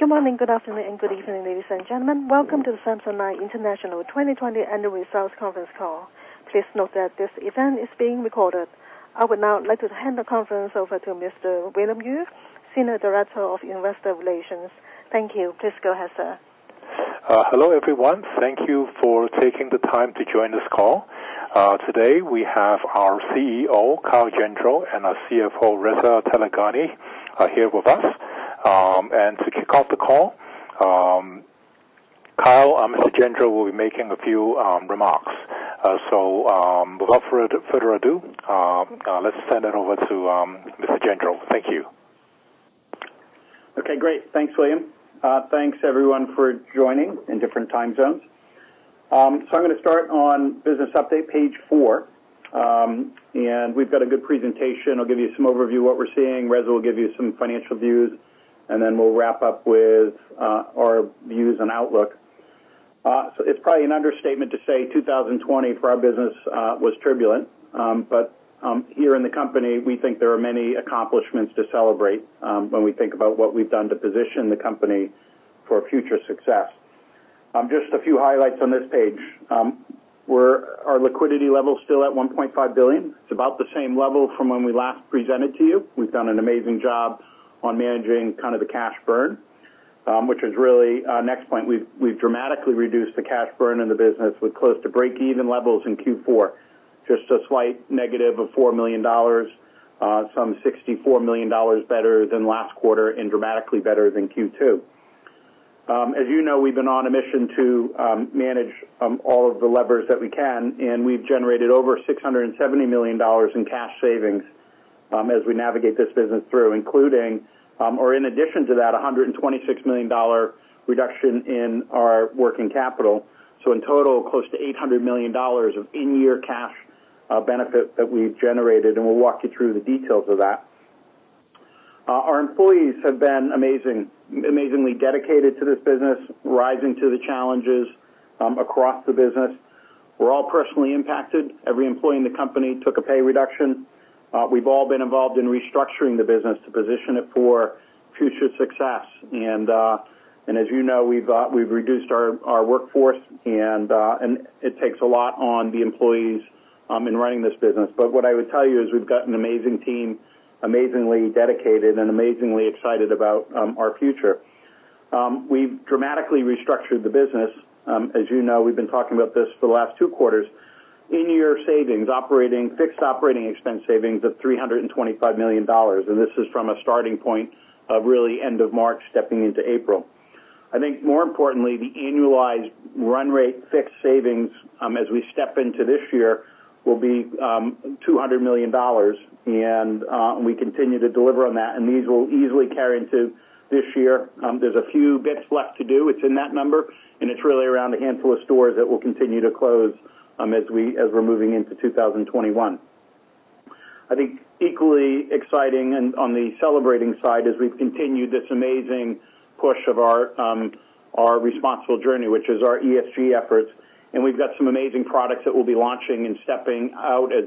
Good morning, good afternoon, and good evening, ladies and gentlemen. Welcome to the Samsonite International 2020 annual results conference call. Please note that this event is being recorded. I would now like to hand the conference over to Mr. William Yue, Senior Director of Investor Relations. Thank you. Please go ahead, sir. Hello, everyone. Thank you for taking the time to join this call. Today we have our CEO, Kyle Gendreau, and our CFO, Reza Taleghani, here with us. To kick off the call, Kyle, Mr. Gendreau, will be making a few remarks. Without further ado, let's send it over to Mr. Gendreau. Thank you. Okay, great. Thanks, William. Thanks everyone for joining in different time zones. I'm going to start on business update, page four, and we've got a good presentation. I'll give you some overview of what we're seeing. Reza will give you some financial views, and then we'll wrap up with our views and outlook. It's probably an understatement to say 2020 for our business was turbulent. Here in the company, we think there are many accomplishments to celebrate when we think about what we've done to position the company for future success. Just a few highlights on this page. Our liquidity level is still at $1.5 billion. It's about the same level from when we last presented to you. We've done an amazing job on managing the cash burn, which is really our next point. We've dramatically reduced the cash burn in the business with close to breakeven levels in Q4. Just a slight negative of $4 million, some $64 million better than last quarter, and dramatically better than Q2. As you know, we've been on a mission to manage all of the levers that we can, and we've generated over $670 million in cash savings as we navigate this business through including, or in addition to that, $126 million reduction in our working capital. In total, close to $800 million of in-year cash benefit that we've generated, and we'll walk you through the details of that. Our employees have been amazingly dedicated to this business, rising to the challenges across the business. We're all personally impacted. Every employee in the company took a pay reduction. We've all been involved in restructuring the business to position it for future success. As you know, we've reduced our workforce and it takes a lot on the employees in running this business. What I would tell you is we've got an amazing team, amazingly dedicated, and amazingly excited about our future. We've dramatically restructured the business. As you know, we've been talking about this for the last two quarters. In-year savings, fixed OpEx savings of $325 million, and this is from a starting point of really end of March, stepping into April. I think more importantly, the annualized run rate fixed savings as we step into this year will be $200 million, and we continue to deliver on that, and these will easily carry into this year. There's a few bits left to do. It's in that number, and it's really around a handful of stores that we'll continue to close as we're moving into 2021. I think equally exciting and on the celebrating side, is we've continued this amazing push of Our Responsible Journey, which is our ESG efforts, and we've got some amazing products that we'll be launching and stepping out as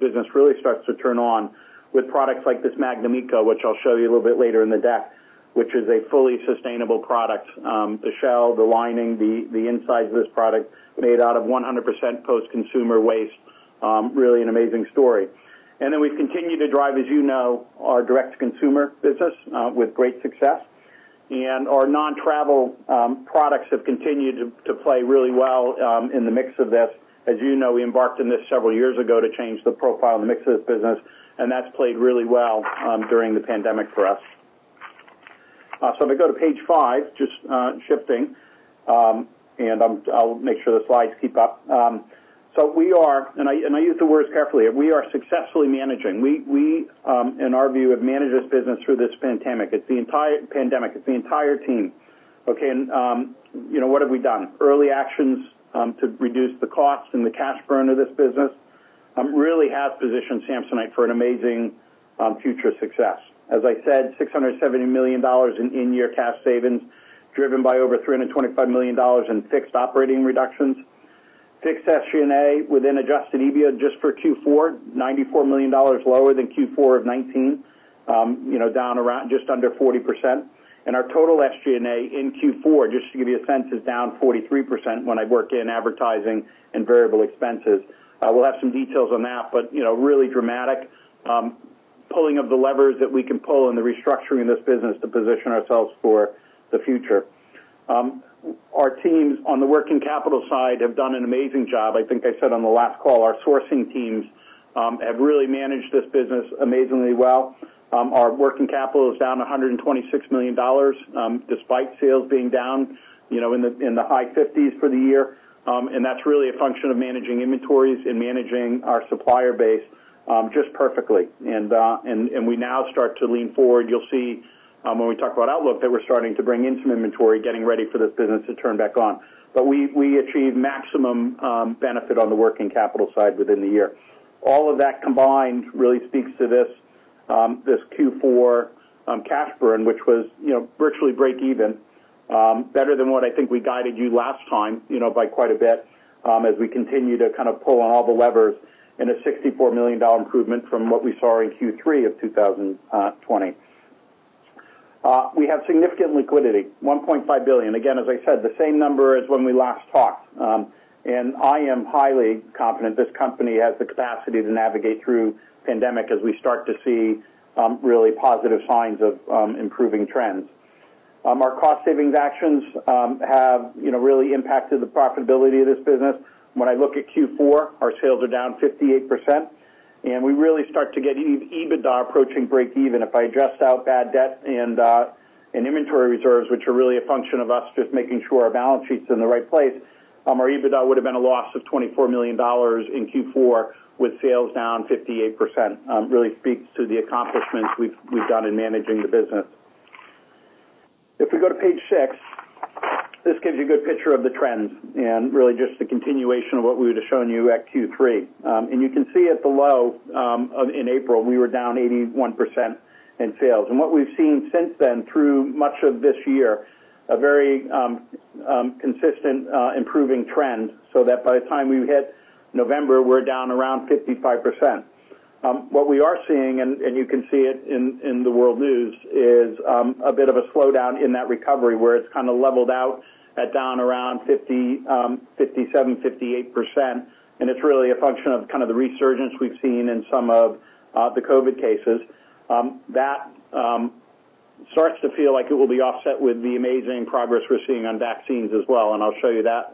business really starts to turn on with products like this Magnum Eco, which I'll show you a little bit later in the deck, which is a fully sustainable product. The shell, the lining, the insides of this product made out of 100% post-consumer waste. Really an amazing story. We've continued to drive, as you know, our direct-to-consumer business with great success, and our non-travel products have continued to play really well in the mix of this. As you know, we embarked on this several years ago to change the profile and the mix of the business, and that's played really well during the pandemic for us. If I go to page five, just shifting, and I'll make sure the slides keep up. We are, and I use the words carefully, we are successfully managing. We, in our view, have managed this business through this pandemic. It's the entire team. Okay, what have we done? Early actions to reduce the cost and the cash burn of this business really has positioned Samsonite for an amazing future success. As I said, $670 million in in-year cash savings, driven by over $325 million in fixed operating reductions. Fixed SG&A within adjusted EBIT just for Q4, $94 million lower than Q4 of 2019, down around just under 40%. Our total SG&A in Q4, just to give you a sense, is down 43% when I work in advertising and variable expenses. We'll have some details on that, really dramatic pulling of the levers that we can pull in the restructuring of this business to position ourselves for the future. Our teams on the working capital side have done an amazing job. I think I said on the last call, our sourcing teams have really managed this business amazingly well. Our working capital is down $126 million, despite sales being down in the high 50% for the year. That's really a function of managing inventories and managing our supplier base just perfectly. We now start to lean forward. You'll see when we talk about outlook that we're starting to bring in some inventory, getting ready for this business to turn back on. We achieved maximum benefit on the working capital side within the year. All of that combined really speaks to this Q4 cash burn, which was virtually breakeven. Better than what I think we guided you last time by quite a bit as we continue to kind of pull on all the levers in a $64 million improvement from what we saw in Q3 of 2020. We have significant liquidity, $1.5 billion. Again, as I said, the same number as when we last talked. I am highly confident this company has the capacity to navigate through pandemic as we start to see really positive signs of improving trends. Our cost savings actions have really impacted the profitability of this business. When I look at Q4, our sales are down 58%, and we really start to get EBITDA approaching breakeven. If I adjust out bad debt and inventory reserves, which are really a function of us just making sure our balance sheet's in the right place, our EBITDA would've been a loss of $24 million in Q4 with sales down 58%, really speaks to the accomplishments we've done in managing the business. If we go to page six, this gives you a good picture of the trends and really just the continuation of what we would've shown you at Q3. You can see at the low, in April, we were down 81% in sales. What we've seen since then through much of this year, a very consistent improving trend, so that by the time we hit November, we're down around 55%. What we are seeing, and you can see it in the world news, is a bit of a slowdown in that recovery where it's kind of leveled out at down around 57, 58%, and it's really a function of kind of the resurgence we've seen in some of the COVID cases. That starts to feel like it will be offset with the amazing progress we're seeing on vaccines as well, and I'll show you that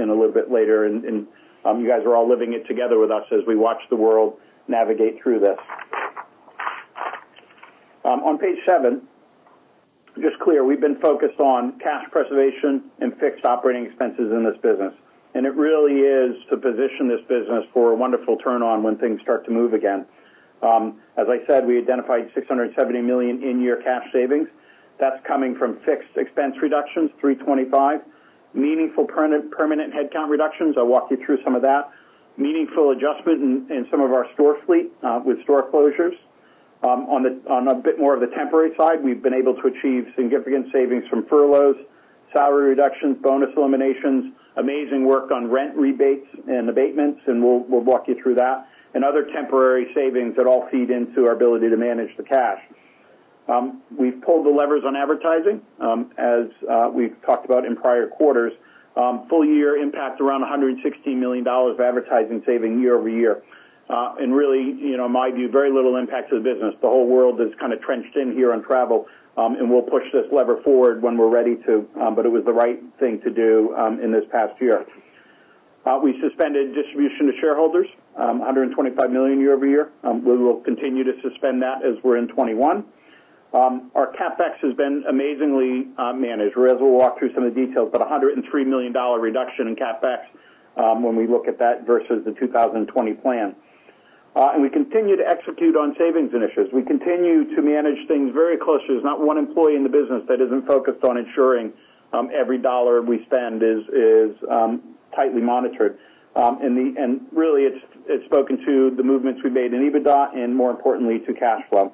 in a little bit later. You guys are all living it together with us as we watch the world navigate through this. On page seven, just clear, we've been focused on cash preservation and fixed operating expenses in this business. It really is to position this business for a wonderful turn-on when things start to move again. As I said, we identified $670 million in-year cash savings. That's coming from fixed expense reductions, $325. Meaningful permanent headcount reductions, I'll walk you through some of that. Meaningful adjustment in some of our store fleet with store closures. On a bit more of the temporary side, we've been able to achieve significant savings from furloughs, salary reductions, bonus eliminations, amazing work on rent rebates and abatements, and we'll walk you through that, and other temporary savings that all feed into our ability to manage the cash. We've pulled the levers on advertising. As we've talked about in prior quarters, full-year impact around $160 million of advertising saving year-over-year. Really, in my view, very little impact to the business. The whole world is kind of trenched in here on travel, and we'll push this lever forward when we're ready to, but it was the right thing to do in this past year. We suspended distribution to shareholders, $125 million year-over-year. We will continue to suspend that as we're in 2021. Our CapEx has been amazingly managed. Reza will walk through some of the details, $103 million reduction in CapEx when we look at that versus the 2020 plan. We continue to execute on savings initiatives. We continue to manage things very closely. There's not one employee in the business that isn't focused on ensuring every dollar we spend is tightly monitored. Really, it's spoken to the movements we've made in EBITDA and more importantly, to cash flow.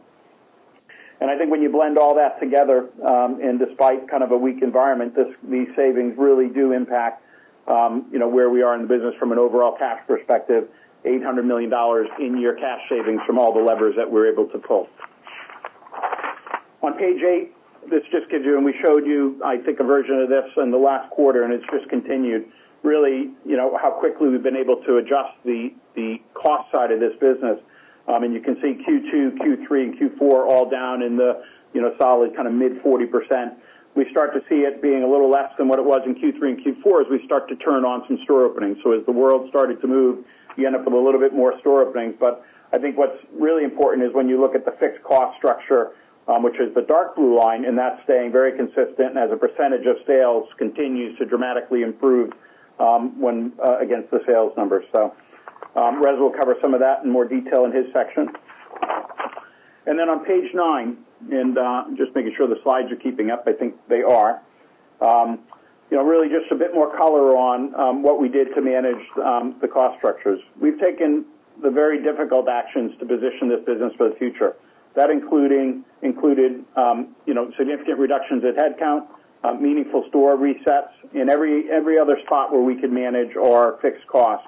I think when you blend all that together, and despite kind of a weak environment, these savings really do impact where we are in the business from an overall cash perspective, $800 million in-year cash savings from all the levers that we're able to pull. On page eight, this just gives you, and we showed you, I think, a version of this in the last quarter, and it's just continued really how quickly we've been able to adjust the cost side of this business. You can see Q2, Q3, and Q4 all down in the solid kind of mid 40%. We start to see it being a little less than what it was in Q3 and Q4 as we start to turn on some store openings. As the world started to move, you end up with a little bit more store openings. I think what's really important is when you look at the fixed cost structure, which is the dark blue line, and that's staying very consistent as a percentage of sales continues to dramatically improve against the sales numbers. Reza will cover some of that in more detail in his section. On page nine, and just making sure the slides are keeping up, I think they are. Just a bit more color on what we did to manage the cost structures. We've taken the very difficult actions to position this business for the future. That included significant reductions in headcount, meaningful store resets in every other spot where we could manage our fixed costs.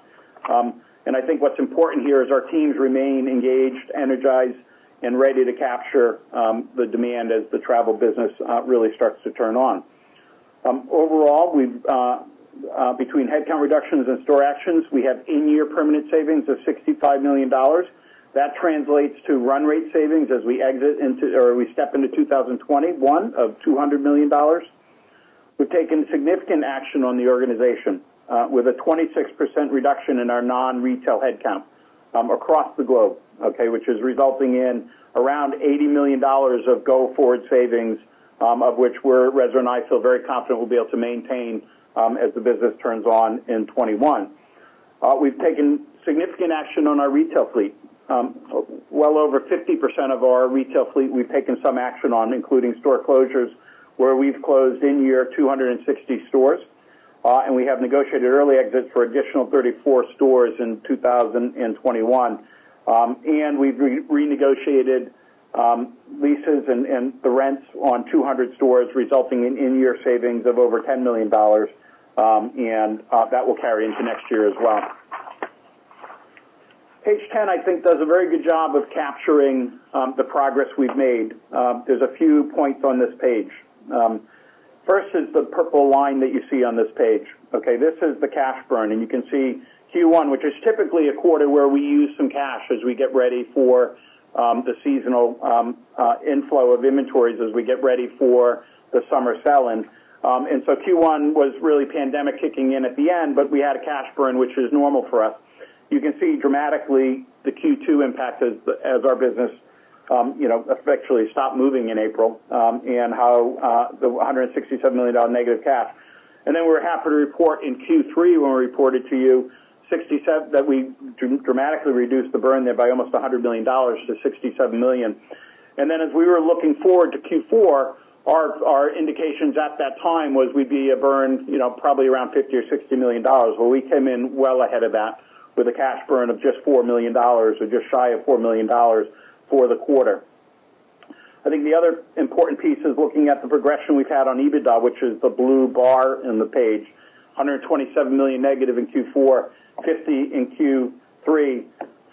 I think what's important here is our teams remain engaged, energized, and ready to capture the demand as the travel business really starts to turn on. Overall, between headcount reductions and store actions, we have in-year permanent savings of $65 million. That translates to run rate savings as we step into 2021 of $200 million. We've taken significant action on the organization with a 26% reduction in our non-retail headcount across the globe, okay? It is resulting in around $80 million of go-forward savings, of which Rez and I feel very confident we'll be able to maintain as the business turns on in 2021. We've taken significant action on our retail fleet. Well over 50% of our retail fleet we've taken some action on, including store closures, where we've closed in year 260 stores. We have negotiated early exits for additional 34 stores in 2021. We've renegotiated leases and the rents on 200 stores, resulting in year savings of over $10 million, and that will carry into next year as well. Page 10, I think, does a very good job of capturing the progress we've made. There's a few points on this page. First is the purple line that you see on this page. Okay, this is the cash burn. You can see Q1, which is typically a quarter where we use some cash as we get ready for the seasonal inflow of inventories as we get ready for the summer sell-in. Q1 was really pandemic kicking in at the end, we had a cash burn, which is normal for us. You can see dramatically the Q2 impact as our business effectively stopped moving in April, how the $167 million negative cash. We're happy to report in Q3 when we reported to you that we dramatically reduced the burn there by almost $100 million to $67 million. As we were looking forward to Q4, our indications at that time was we'd be a burn probably around $50 or $60 million. Well, we came in well ahead of that with a cash burn of just $4 million or just shy of $4 million for the quarter. I think the other important piece is looking at the progression we've had on EBITDA, which is the blue bar in the page, $127 million negative in Q4, $50 million in Q3,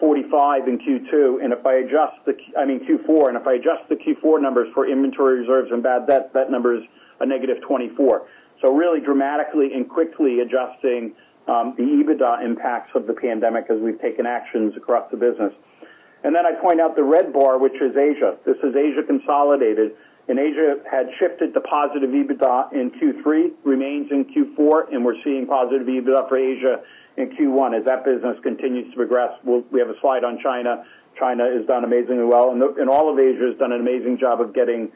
$45 million in Q2. If I adjust the I mean Q4, if I adjust the Q4 numbers for inventory reserves and bad debt, that number is a negative $24 million. Really dramatically and quickly adjusting the EBITDA impacts of the pandemic as we've taken actions across the business. I point out the red bar, which is Asia. This is Asia consolidated, Asia had shifted to positive EBITDA in Q3, remains in Q4, we're seeing positive EBITDA for Asia in Q1. As that business continues to progress, we have a slide on China. China has done amazingly well, and all of Asia has done an amazing job of getting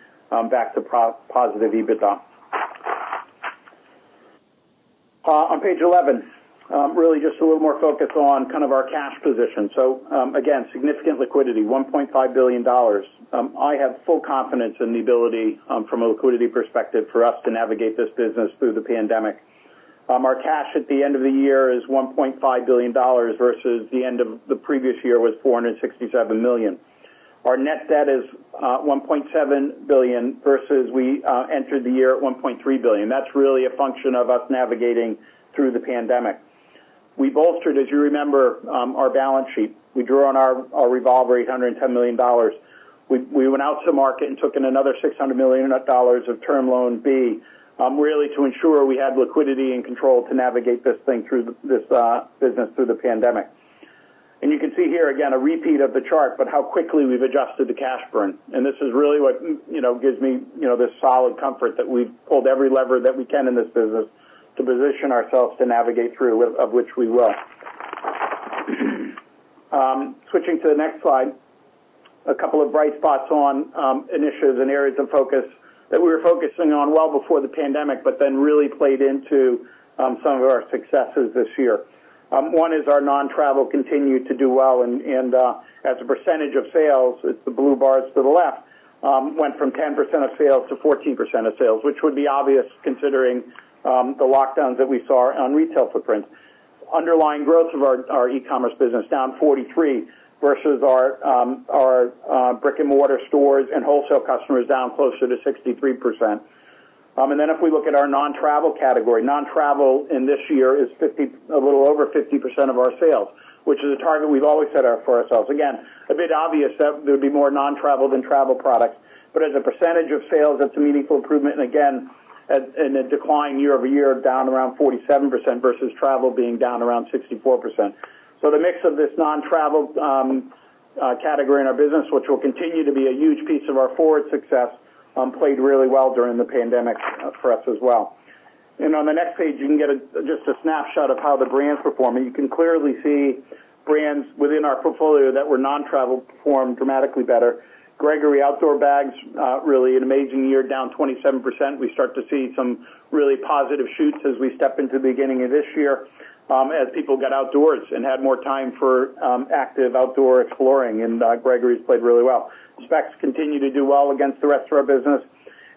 back to positive EBITDA. On page 11, really just a little more focus on kind of our cash position. Again, significant liquidity, $1.5 billion. I have full confidence in the ability from a liquidity perspective for us to navigate this business through the pandemic. Our cash at the end of the year is $1.5 billion versus the end of the previous year was $467 million. Our net debt is $1.7 billion versus we entered the year at $1.3 billion. That's really a function of us navigating through the pandemic. We bolstered, as you remember, our balance sheet. We drew on our revolver $110 million. We went out to market and took in another $600 million of Term Loan B, really to ensure we had liquidity and control to navigate this thing through this business, through the pandemic. You can see here again, a repeat of the chart, but how quickly we've adjusted the cash burn. This is really what gives me this solid comfort that we've pulled every lever that we can in this business to position ourselves to navigate through, of which we will. Switching to the next slide, a couple of bright spots on initiatives and areas of focus that we were focusing on well before the pandemic, but then really played into some of our successes this year. One is our non-travel continued to do well, and as a percentage of sales, it's the blue bars to the left, went from 10% of sales to 14% of sales, which would be obvious considering the lockdowns that we saw on retail footprint. Underlying growth of our e-commerce business down 43% versus our brick-and-mortar stores and wholesale customers down closer to 63%. If we look at our non-travel category, non-travel in this year is a little over 50% of our sales, which is a target we've always set out for ourselves. Again, a bit obvious that there would be more non-travel than travel products, but as a percentage of sales, that's a meaningful improvement. In a decline year-over-year, down around 47% versus travel being down around 64%. The mix of this non-travel category in our business, which will continue to be a huge piece of our forward success played really well during the pandemic for us as well. On the next page, you can get just a snapshot of how the brands perform, and you can clearly see brands within our portfolio that were non-travel performed dramatically better. Gregory outdoor bags really an amazing year down 27%. We start to see some really positive shoots as we step into the beginning of this year as people got outdoors and had more time for active outdoor exploring, and Gregory's played really well. Speck continue to do well against the rest of our business.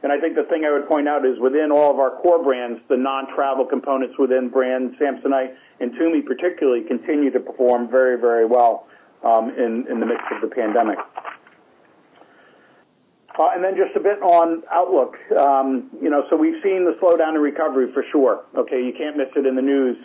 I think the thing I would point out is within all of our core brands, the non-travel components within brands, Samsonite and Tumi particularly continue to perform very well in the midst of the pandemic. Then just a bit on outlook. We've seen the slowdown in recovery for sure, okay, you can't miss it in the news,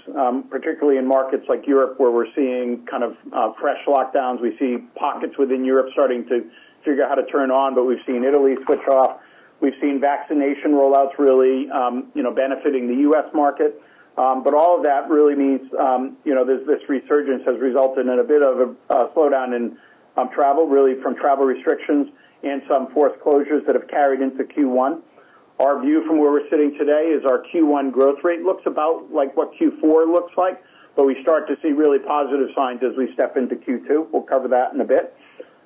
particularly in markets like Europe where we're seeing kind of fresh lockdowns. We've seen pockets within Europe starting to figure out how to turn on, but we've seen Italy switch off. We've seen vaccination rollouts really benefiting the U.S. market. All of that really means this resurgence has resulted in a bit of a slowdown in travel, really from travel restrictions and some foreclosures that have carried into Q1. Our view from where we're sitting today is our Q1 growth rate looks about like what Q4 looks like, but we start to see really positive signs as we step into Q2. We'll cover that in a bit.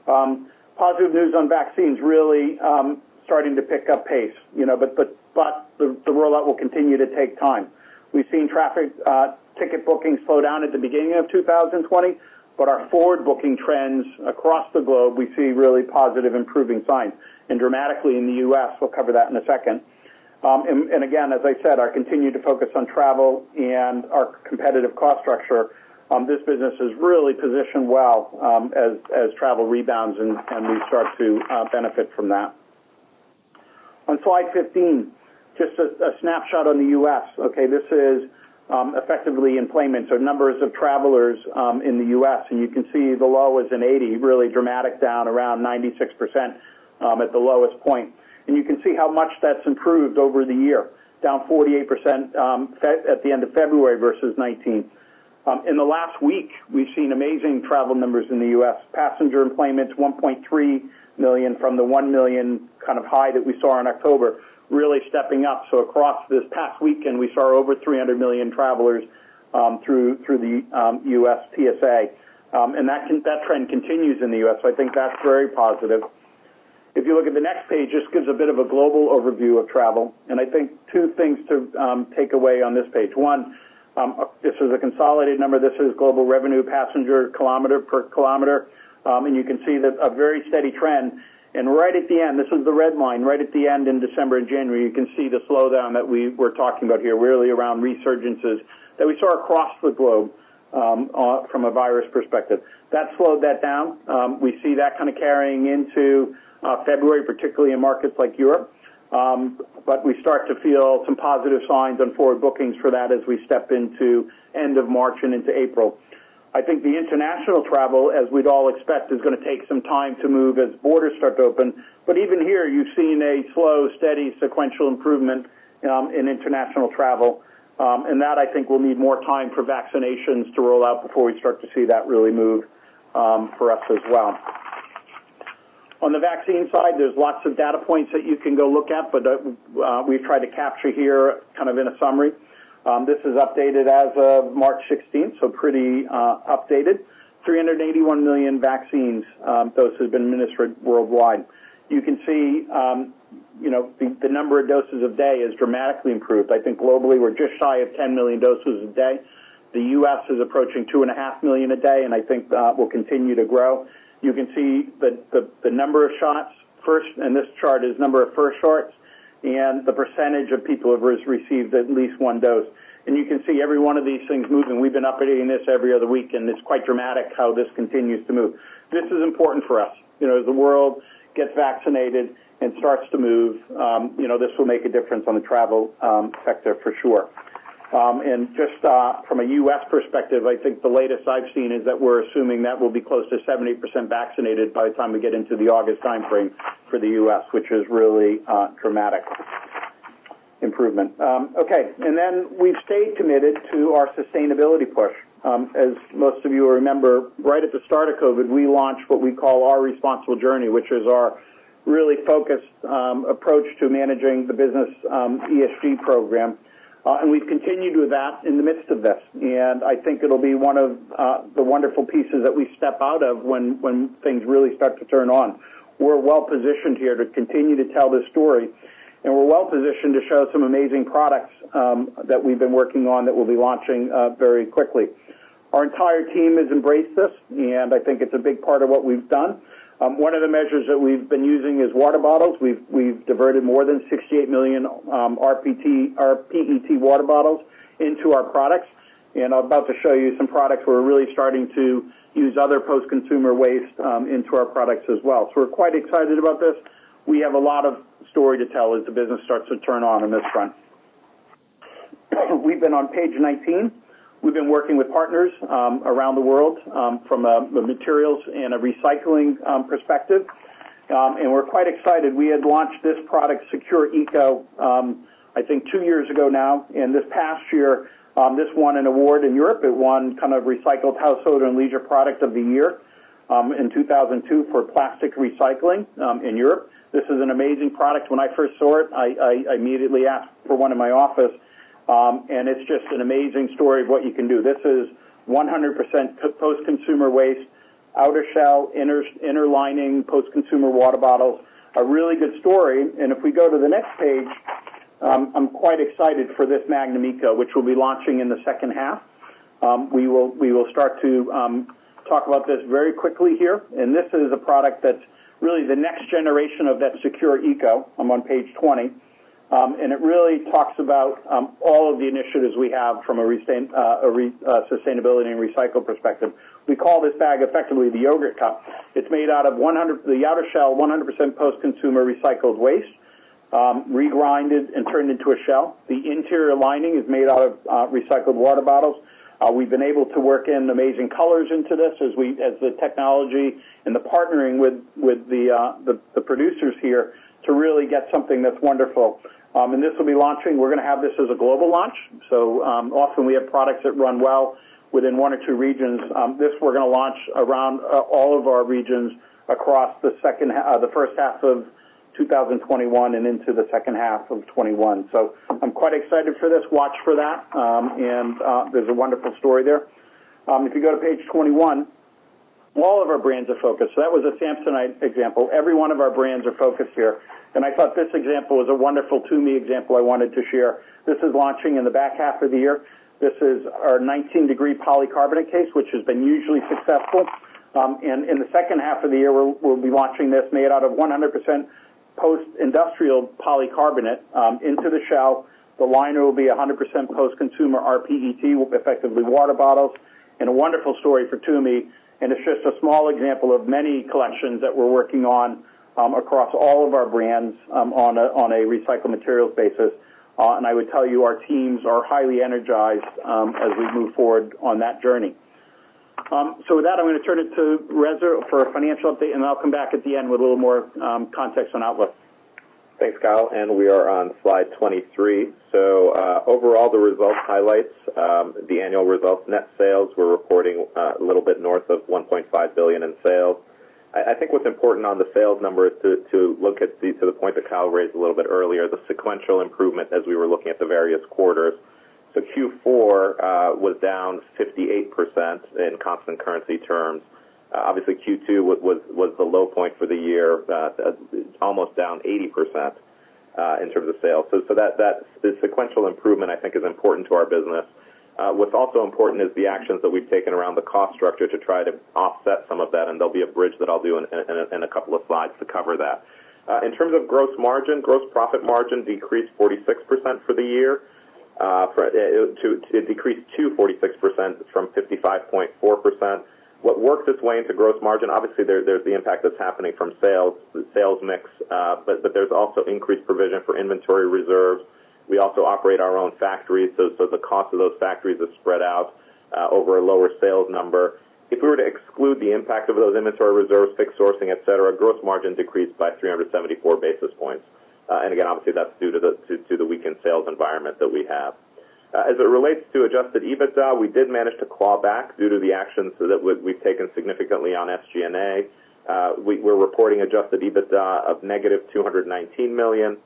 Positive news on vaccines really starting to pick up pace. The rollout will continue to take time. We've seen traffic ticket bookings slow down at the beginning of 2020, but our forward booking trends across the globe, we see really positive improving signs and dramatically in the U.S. We'll cover that in a second. Again, as I said, our continued focus on travel and our competitive cost structure, this business is really positioned well as travel rebounds and we start to benefit from that. On slide 15, just a snapshot on the U.S. Okay, this is effectively enplanements or numbers of travelers in the U.S., you can see the low is in 2020, really dramatic, down around 96% at the lowest point. You can see how much that's improved over the year, down 48% at the end of February versus 2019. In the last week, we've seen amazing travel numbers in the U.S. Passenger enplanements, 1.3 million from the 1 million kind of high that we saw in October, really stepping up. Across this past weekend, we saw over 300 million travelers through the U.S. TSA. That trend continues in the U.S. I think that's very positive. If you look at the next page, this gives a bit of a global overview of travel, and I think two things to take away on this page. One, this is a consolidated number. This is global revenue passenger kilometers. You can see a very steady trend. Right at the end, this is the red line, right at the end in December and January, you can see the slowdown that we were talking about here, really around resurgences that we saw across the globe from a virus perspective. That slowed that down. We see that kind of carrying into February, particularly in markets like Europe. We start to feel some positive signs on forward bookings for that as we step into end of March and into April. I think the international travel, as we'd all expect, is going to take some time to move as borders start to open. Even here, you've seen a slow, steady sequential improvement in international travel. That, I think, will need more time for vaccinations to roll out before we start to see that really move for us as well. On the vaccine side, there's lots of data points that you can go look at, but we've tried to capture here kind of in a summary. This is updated as of March 16th, so pretty updated. 381 million vaccine doses have been administered worldwide. You can see the number of doses a day has dramatically improved. I think globally, we're just shy of 10 million doses a day. The U.S. is approaching 2.5 million a day. I think that will continue to grow. You can see the number of shots. This chart is number of first shots and the percentage of people who have received at least one dose. You can see every one of these things moving. We've been updating this every other week, and it's quite dramatic how this continues to move. This is important for us. As the world gets vaccinated and starts to move, this will make a difference on the travel sector for sure. Just from a U.S. perspective, I think the latest I've seen is that we're assuming that we'll be close to 70% vaccinated by the time we get into the August timeframe for the U.S., which is really a dramatic improvement. Okay. Then we've stayed committed to our sustainability push. As most of you remember, right at the start of COVID, we launched what we call Our Responsible Journey, which is our really focused approach to managing the business ESG program. We've continued with that in the midst of this. I think it'll be one of the wonderful pieces that we step out of when things really start to turn on. We're well positioned here to continue to tell this story, and we're well positioned to show some amazing products that we've been working on that we'll be launching very quickly. Our entire team has embraced this, and I think it's a big part of what we've done. One of the measures that we've been using is water bottles. We've diverted more than 68 million rPET water bottles into our products. I'm about to show you some products. We're really starting to use other post-consumer waste into our products as well. We're quite excited about this. We have a lot of story to tell as the business starts to turn on this front. We've been on page 19. We've been working with partners around the world from a materials and a recycling perspective. We're quite excited. We had launched this product, S'Cure Eco, I think two years ago now. This past year, this won an award in Europe. It won recycled household and leisure product of the year in 2020 for plastic recycling in Europe. This is an amazing product. When I first saw it, I immediately asked for one in my office. It's just an amazing story of what you can do. This is 100% post-consumer waste, outer shell, inner lining, post-consumer water bottle. A really good story. If we go to the next page, I'm quite excited for this Magnum Eco, which we'll be launching in the second half. We will start to talk about this very quickly here, and this is a product that's really the next generation of that S'Cure Eco. I'm on page 20. It really talks about all of the initiatives we have from a sustainability and recycle perspective. We call this bag effectively the yogurt cup. The outer shell, 100% post-consumer recycled waste, regrinded and turned into a shell. The interior lining is made out of recycled water bottles. We've been able to work in amazing colors into this as the technology and the partnering with the producers here to really get something that's wonderful. This will be launching. We're going to have this as a global launch. Often we have products that run well within one or two regions. This we're going to launch around all of our regions across the first half of 2021 and into the second half of 2021. I'm quite excited for this. Watch for that. There's a wonderful story there. If you go to page 21, all of our brands are focused. That was a Samsonite example. Every one of our brands are focused here, and I thought this example was a wonderful Tumi example I wanted to share. This is launching in the back half of the year. This is our 19 Degree polycarbonate case, which has been usually successful. In the second half of the year, we'll be launching this, made out of 100% post-industrial polycarbonate into the shell. The liner will be 100% post-consumer rPET, effectively water bottles, and a wonderful story for Tumi. It's just a small example of many collections that we're working on across all of our brands on a recycled materials basis. I would tell you, our teams are highly energized as we move forward on that journey. With that, I'm going to turn it to Reza for a financial update, and then I'll come back at the end with a little more context on outlook. Thanks, Kyle. We are on slide 23. Overall, the results highlights. The annual results net sales, we're reporting a little bit north of $1.5 billion in sales. I think what's important on the sales number is to look at the, to the point that Kyle raised a little bit earlier, the sequential improvement as we were looking at the various quarters. Q4 was down 58% in constant currency terms. Obviously, Q2 was the low point for the year, almost down 80% in terms of sales. The sequential improvement, I think, is important to our business. What's also important is the actions that we've taken around the cost structure to try to offset some of that. There'll be a bridge that I'll do in a couple of slides to cover that. In terms of gross margin, gross profit margin decreased 46% for the year. It decreased to 46% from 55.4%. What worked its way into gross margin, obviously there's the impact that's happening from sales, the sales mix. There's also increased provision for inventory reserves. We also operate our own factories. The cost of those factories is spread out over a lower sales number. If we were to exclude the impact of those inventory reserves, fixed sourcing, et cetera, gross margin decreased by 374 basis points. Again, obviously, that's due to the weakened sales environment that we have. As it relates to adjusted EBITDA, we did manage to claw back due to the actions that we've taken significantly on SG&A. We're reporting adjusted EBITDA of negative $219 million.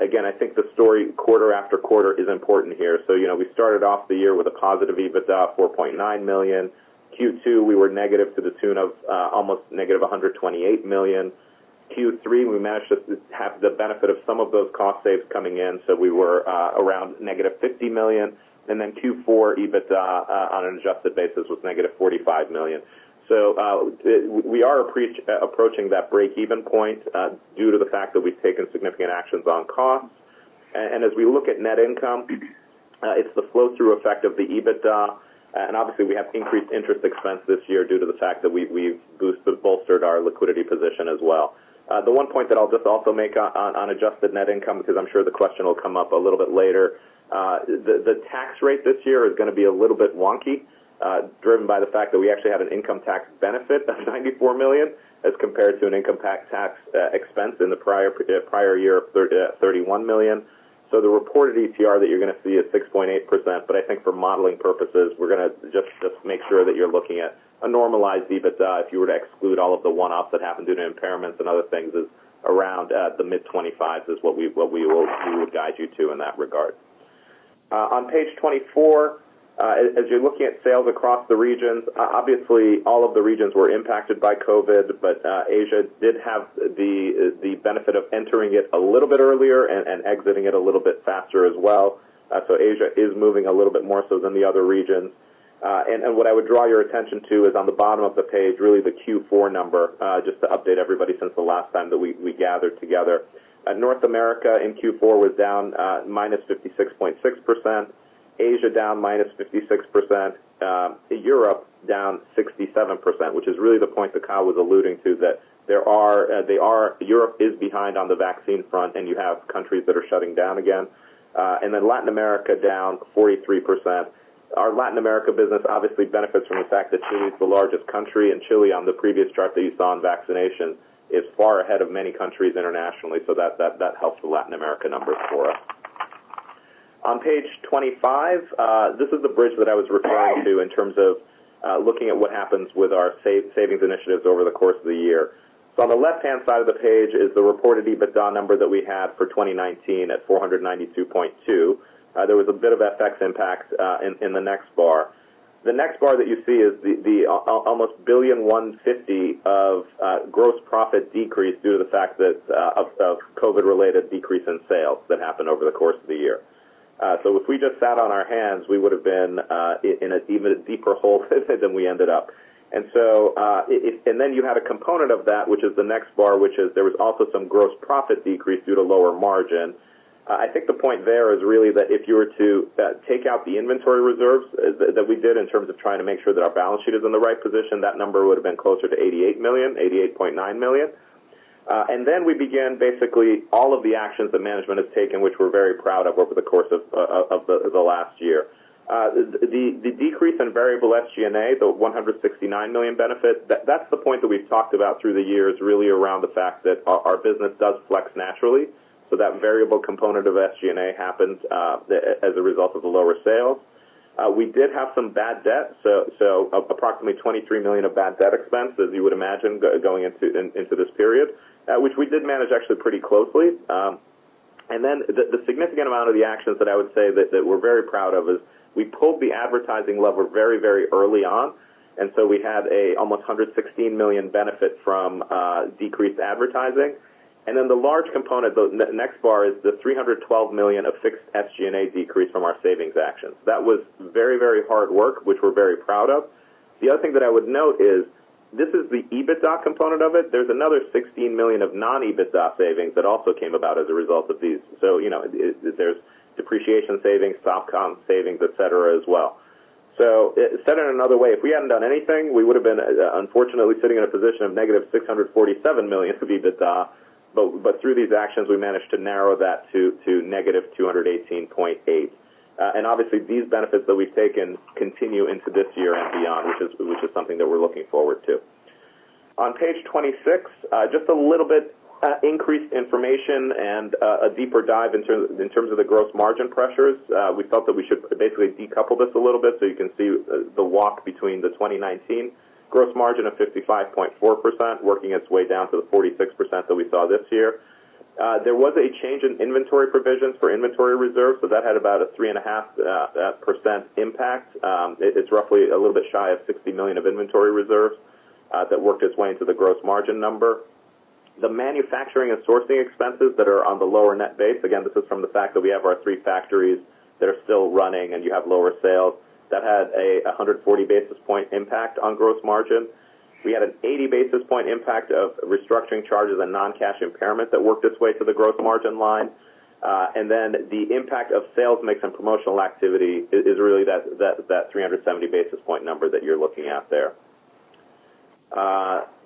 Again, I think the story quarter after quarter is important here. We started off the year with a positive EBITDA of $4.9 million. Q2, we were negative to the tune of almost -$128 million. Q3, we managed to have the benefit of some of those cost saves coming in, so we were around -$50 million. Q4 EBITDA, on an adjusted basis, was -$45 million. We are approaching that breakeven point due to the fact that we've taken significant actions on costs. As we look at net income, it's the flow-through effect of the EBITDA. Obviously we have increased interest expense this year due to the fact that we've bolstered our liquidity position as well. The one point that I'll just also make on adjusted net income, because I'm sure the question will come up a little bit later. The tax rate this year is gonna be a little bit wonky, driven by the fact that we actually have an income tax benefit of $94 million as compared to an income tax expense in the prior year of $31 million. The reported ETR that you're gonna see is 6.8%, but I think for modeling purposes, we're gonna just make sure that you're looking at a normalized EBITDA. If you were to exclude all of the one-off that happened due to impairments and other things, is around the mid 25 is what we will guide you to in that regard. On page 24, as you're looking at sales across the regions, obviously all of the regions were impacted by COVID, but Asia did have the benefit of entering it a little bit earlier and exiting it a little bit faster as well. Asia is moving a little bit more so than the other regions. What I would draw your attention to is on the bottom of the page, really the Q4 number, just to update everybody since the last time that we gathered together. North America in Q4 was down -56.6%. Asia, down -56%. Europe, down 67%, which is really the point that Kyle was alluding to, that Europe is behind on the vaccine front, and you have countries that are shutting down again. Latin America, down 43%. Our Latin America business obviously benefits from the fact that Chile is the largest country. Chile, on the previous chart that you saw on vaccination, is far ahead of many countries internationally. That helps the Latin America numbers for us. On page 25, this is the bridge that I was referring to in terms of looking at what happens with our savings initiatives over the course of the year. On the left-hand side of the page is the reported EBITDA number that we had for 2019 at $492.2 million. There was a bit of FX impact in the next bar. The next bar that you see is the almost $150 million of gross profit decrease due to the fact that of COVID-related decrease in sales that happened over the course of the year. If we just sat on our hands, we would've been in an even deeper hole than we ended up. Then you had a component of that, which is the next bar, which is there was also some gross profit decrease due to lower margin. I think the point there is really that if you were to take out the inventory reserves that we did in terms of trying to make sure that our balance sheet is in the right position, that number would've been closer to $88 million, $88.9 million. Then we began basically all of the actions that management has taken, which we're very proud of over the course of the last year. The decrease in variable SG&A, the $169 million benefit, that's the point that we've talked about through the years, really around the fact that our business does flex naturally. That variable component of SG&A happens as a result of the lower sales. We did have some bad debt, approximately $23 million of bad debt expense, as you would imagine, going into this period, which we did manage actually pretty closely. The significant amount of the actions that I would say that we're very proud of is we pulled the advertising lever very early on. We had almost $116 million benefit from decreased advertising. The large component, the next bar, is the $312 million of fixed SG&A decrease from our savings actions. That was very hard work, which we're very proud of. The other thing that I would note is this is the EBITDA component of it. There's another $60 million of non-EBITDA savings that also came about as a result of these. There's depreciation savings, OpEx savings, et cetera, as well. Said in another way, if we hadn't done anything, we would've been unfortunately sitting in a position of -$647 million for the EBITDA. Through these actions, we managed to narrow that to -$218.8 million. Obviously these benefits that we've taken continue into this year and beyond, which is something that we're looking forward to. On page 26, just a little bit increased information and a deeper dive in terms of the gross margin pressures. We felt that we should basically decouple this a little bit so you can see the walk between the 2019 gross margin of 55.4% working its way down to the 46% that we saw this year. There was a change in inventory provisions for inventory reserves, so that had about a 3.5% impact. It's roughly a little bit shy of $60 million of inventory reserves that worked its way into the gross margin number. The manufacturing and sourcing expenses that are on the lower net base, again, this is from the fact that we have our three factories that are still running, and you have lower sales. That had a 140 basis point impact on gross margin. We had an 80 basis point impact of restructuring charges and non-cash impairment that worked its way to the gross margin line. The impact of sales mix and promotional activity is really that 370 basis point number that you're looking at there.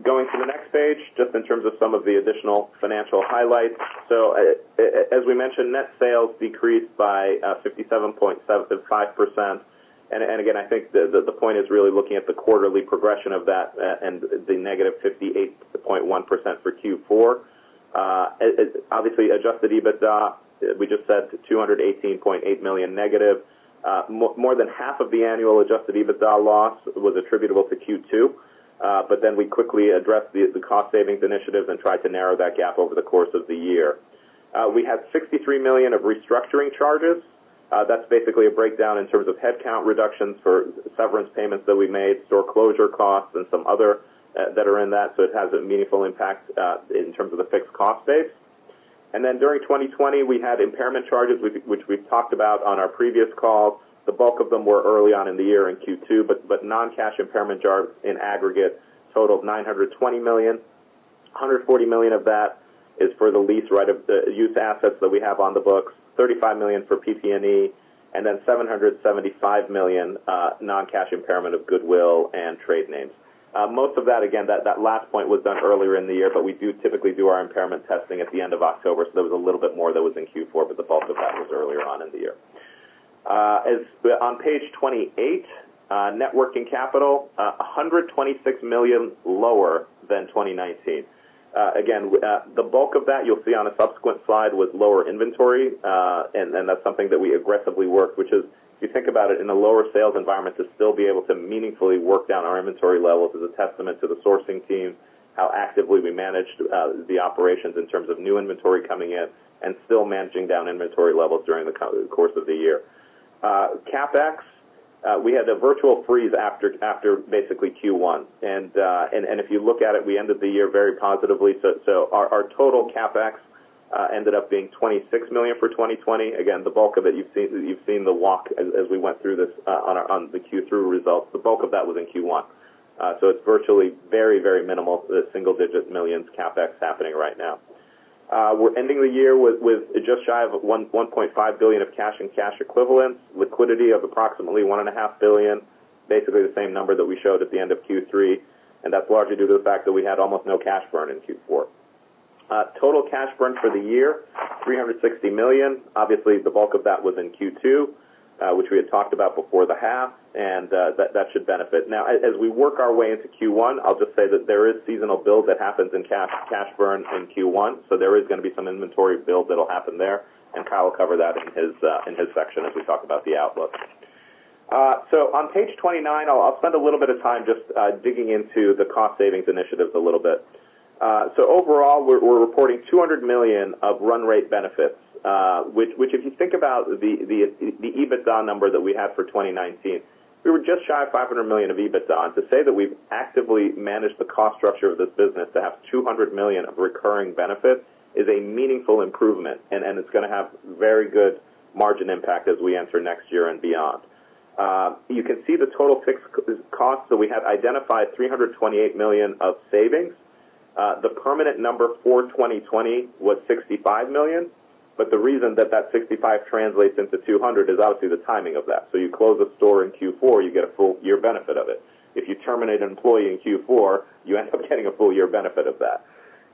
Going to the next page, just in terms of some of the additional financial highlights. As we mentioned, net sales decreased by 57.5%. Again, I think the point is really looking at the quarterly progression of that and the negative 58.1% for Q4. Obviously, adjusted EBITDA, we just said $218.8 million negative. More than half of the annual adjusted EBITDA loss was attributable to Q2. We quickly addressed the cost savings initiatives and tried to narrow that gap over the course of the year. We had $63 million of restructuring charges. That's basically a breakdown in terms of headcount reductions for severance payments that we made, store closure costs, and some other that are in that. It has a meaningful impact in terms of the fixed cost base. During 2020, we had impairment charges, which we've talked about on our previous calls. The bulk of them were early on in the year in Q2. Non-cash impairment charges in aggregate totaled $920 million. $140 million of that is for the lease right-of-the use assets that we have on the books, $35 million for PP&E, and then $775 million non-cash impairment of goodwill and trade names. Most of that, again, that last point was done earlier in the year, but we do typically do our impairment testing at the end of October, so there was a little bit more that was in Q4, but the bulk of that was earlier on in the year. On page 28, net working capital, $126 million lower than 2019. Again, the bulk of that you'll see on a subsequent slide was lower inventory, and that's something that we aggressively worked, which is, if you think about it, in a lower sales environment, to still be able to meaningfully work down our inventory levels is a testament to the sourcing team, how actively we managed the operations in terms of new inventory coming in and still managing down inventory levels during the course of the year. CapEx, we had a virtual freeze after basically Q1. If you look at it, we ended the year very positively. Our total CapEx ended up being $26 million for 2020. Again, the bulk of it, you've seen the walk as we went through this on the Q3 results. The bulk of that was in Q1. It's virtually very minimal, single-digit millions CapEx happening right now. We're ending the year with just shy of $1.5 billion of cash and cash equivalents, liquidity of approximately $1.5 billion, basically the same number that we showed at the end of Q3, and that's largely due to the fact that we had almost no cash burn in Q4. Total cash burn for the year, $360 million. Obviously, the bulk of that was in Q2, which we had talked about before the half, and that should benefit. As we work our way into Q1, I'll just say that there is seasonal build that happens in cash burn in Q1, there is going to be some inventory build that'll happen there, and Kyle will cover that in his section as we talk about the outlook. On page 29, I'll spend a little bit of time just digging into the cost savings initiatives a little bit. Overall, we're reporting $200 million of run rate benefits, which if you think about the EBITDA number that we had for 2019, we were just shy of $500 million of EBITDA. To say that we've actively managed the cost structure of this business to have $200 million of recurring benefits is a meaningful improvement, and it's going to have very good margin impact as we enter next year and beyond. You can see the total fixed costs that we had identified, $328 million of savings. The permanent number for 2020 was $65 million, the reason that $65 translates into $200 is obviously the timing of that. You close a store in Q4, you get a full year benefit of it. If you terminate an employee in Q4, you end up getting a full year benefit of that.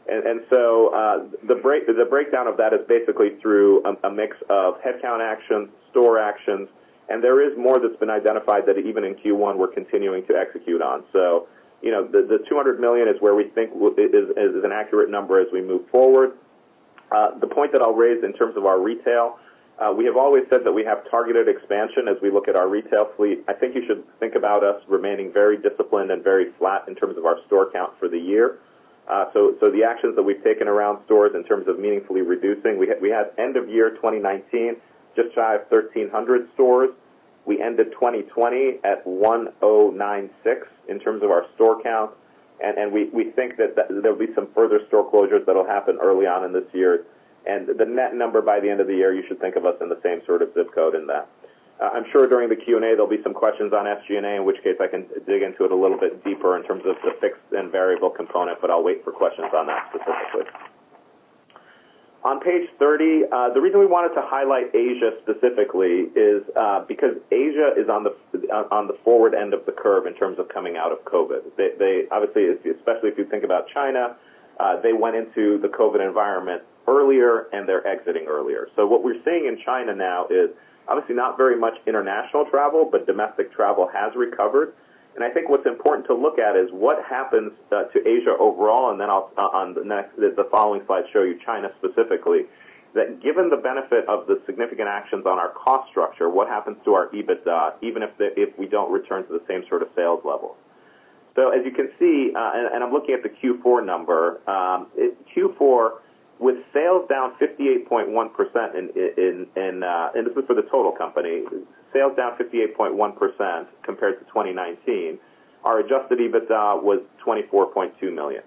The breakdown of that is basically through a mix of headcount actions, store actions, and there is more that's been identified that even in Q1 we're continuing to execute on. The $200 million is where we think is an accurate number as we move forward. The point that I'll raise in terms of our retail, we have always said that we have targeted expansion as we look at our retail fleet. I think you should think about us remaining very disciplined and very flat in terms of our store count for the year. The actions that we've taken around stores in terms of meaningfully reducing, we had end of year 2019, just shy of 1,300 stores. We ended 2020 at 1,096 in terms of our store count. We think that there'll be some further store closures that'll happen early on in this year. The net number by the end of the year, you should think of us in the same sort of ZIP code in that. I'm sure during the Q&A, there'll be some questions on SG&A, in which case I can dig into it a little bit deeper in terms of the fixed and variable component, but I'll wait for questions on that specifically. On page 30, the reason we wanted to highlight Asia specifically is because Asia is on the forward end of the curve in terms of coming out of COVID. Obviously, especially if you think about China, they went into the COVID environment earlier, and they're exiting earlier. What we're seeing in China now is obviously not very much international travel, but domestic travel has recovered. I think what's important to look at is what happens to Asia overall, and then on the following slide, show you China specifically. That given the benefit of the significant actions on our cost structure, what happens to our EBITDA, even if we don't return to the same sort of sales level. As you can see, and I'm looking at the Q4 number. Q4, with sales down 58.1%. This is for the total company, sales down 58.1% compared to 2019, our adjusted EBITDA was $24.2 million.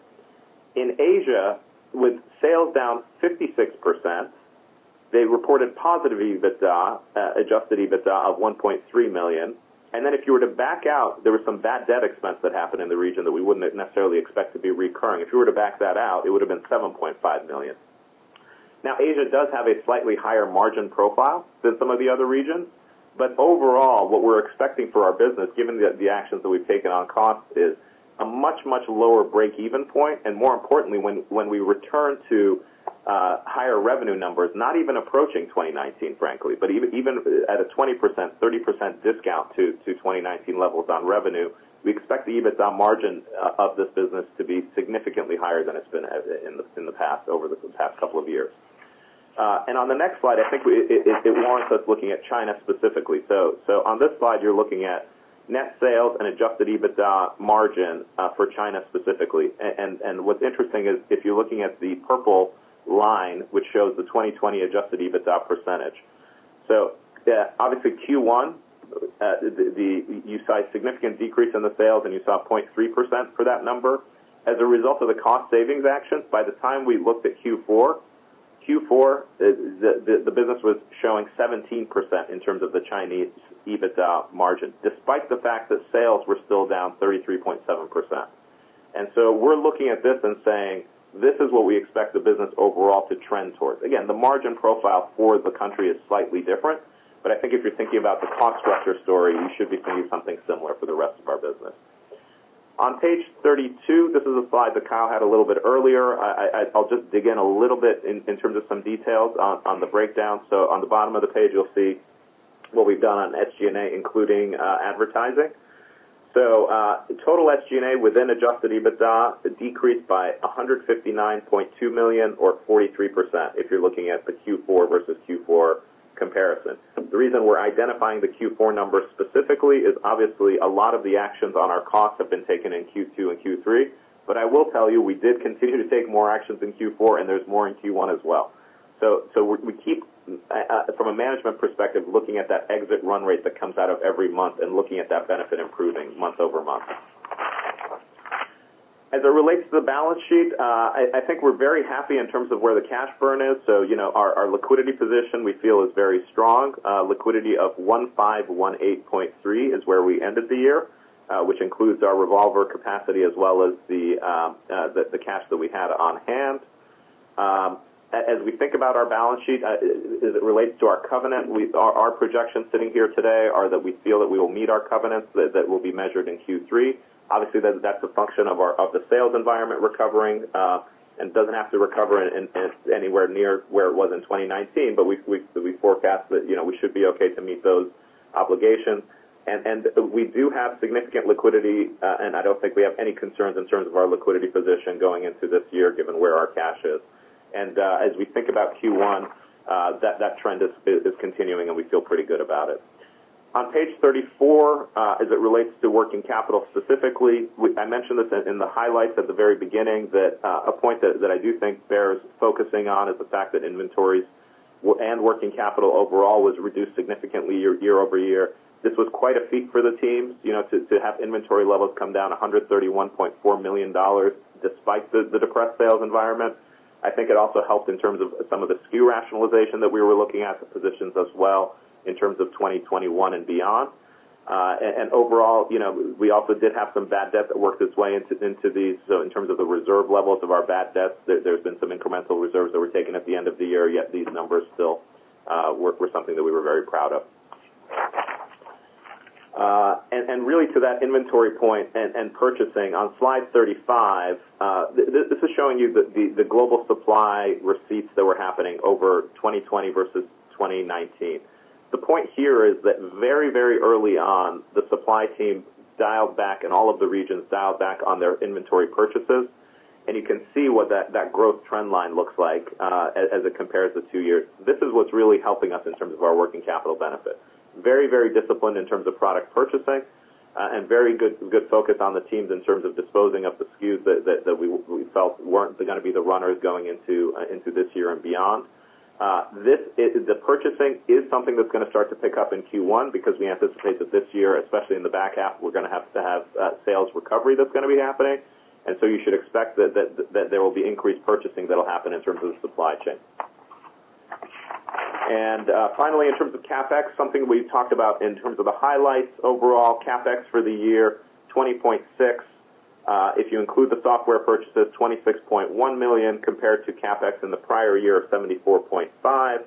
In Asia, with sales down 56%, they reported positive adjusted EBITDA of $1.3 million. If you were to back out, there was some bad debt expense that happened in the region that we wouldn't necessarily expect to be recurring. If you were to back that out, it would've been $7.5 million. Asia does have a slightly higher margin profile than some of the other regions. Overall, what we're expecting for our business, given the actions that we've taken on cost is a much, much lower breakeven point, and more importantly, when we return to higher revenue numbers, not even approaching 2019, frankly, but even at a 20%, 30% discount to 2019 levels on revenue, we expect the EBITDA margin of this business to be significantly higher than it's been in the past couple of years. On the next slide, I think it warrants us looking at China specifically. On this slide, you're looking at net sales and adjusted EBITDA margin for China specifically. What's interesting is if you're looking at the purple line, which shows the 2020 adjusted EBITDA percentage. Obviously, Q1, you saw a significant decrease in the sales, and you saw 0.3% for that number. As a result of the cost savings actions, by the time we looked at Q4, the business was showing 17% in terms of the Chinese EBITDA margin, despite the fact that sales were still down 33.7%. We're looking at this and saying, "This is what we expect the business overall to trend towards." Again, the margin profile for the country is slightly different, but I think if you're thinking about the cost structure story, you should be seeing something similar for the rest of our business. On page 32, this is a slide that Kyle had a little bit earlier. I'll just dig in a little bit in terms of some details on the breakdown. On the bottom of the page, you'll see what we've done on SG&A, including advertising. Total SG&A within adjusted EBITDA decreased by $159.2 million or 43%, if you're looking at the Q4 versus Q4 comparison. The reason we're identifying the Q4 numbers specifically is obviously a lot of the actions on our cost have been taken in Q2 and Q3, but I will tell you, we did continue to take more actions in Q4, and there's more in Q1 as well. We keep, from a management perspective, looking at that exit run rate that comes out of every month and looking at that benefit improving month-over-month. As it relates to the balance sheet, I think we're very happy in terms of where the cash burn is. Our liquidity position we feel is very strong. Liquidity of $1,518.3 is where we ended the year, which includes our revolver capacity as well as the cash that we had on hand. As we think about our balance sheet, as it relates to our covenant, our projections sitting here today are that we feel that we will meet our covenants that will be measured in Q3. Obviously, that's a function of the sales environment recovering, and doesn't have to recover anywhere near where it was in 2019, but we forecast that we should be okay to meet those obligations. We do have significant liquidity, and I don't think we have any concerns in terms of our liquidity position going into this year, given where our cash is. As we think about Q1, that trend is continuing, and we feel pretty good about it. On page 34, as it relates to working capital specifically, I mentioned this in the highlights at the very beginning that a point that I do think bears focusing on is the fact that inventories and working capital overall was reduced significantly year-over-year. This was quite a feat for the team to have inventory levels come down $131.4 million despite the depressed sales environment. I think it also helped in terms of some of the SKU rationalization that we were looking at the positions as well in terms of 2021 and beyond. Overall, we also did have some bad debt that worked its way into these in terms of the reserve levels of our bad debts. There's been some incremental reserves that were taken at the end of the year, yet these numbers still were something that we were very proud of. Really to that inventory point and purchasing, on slide 35, this is showing you the global supply receipts that were happening over 2020 versus 2019. The point here is that very, very early on, the supply team dialed back and all of the regions dialed back on their inventory purchases, and you can see what that growth trend line looks like as it compares the two years. This is what's really helping us in terms of our working capital benefit. Very, very disciplined in terms of product purchasing, and very good focus on the teams in terms of disposing of the SKUs that we felt weren't going to be the runners going into this year and beyond. The purchasing is something that's going to start to pick up in Q1 because we anticipate that this year, especially in the back half, we're going to have to have sales recovery that's going to be happening. You should expect that there will be increased purchasing that'll happen in terms of the supply chain. Finally, in terms of CapEx, something we talked about in terms of the highlights overall, CapEx for the year, $20.6 million. If you include the software purchases, $26.1 million compared to CapEx in the prior year of $74.5 million.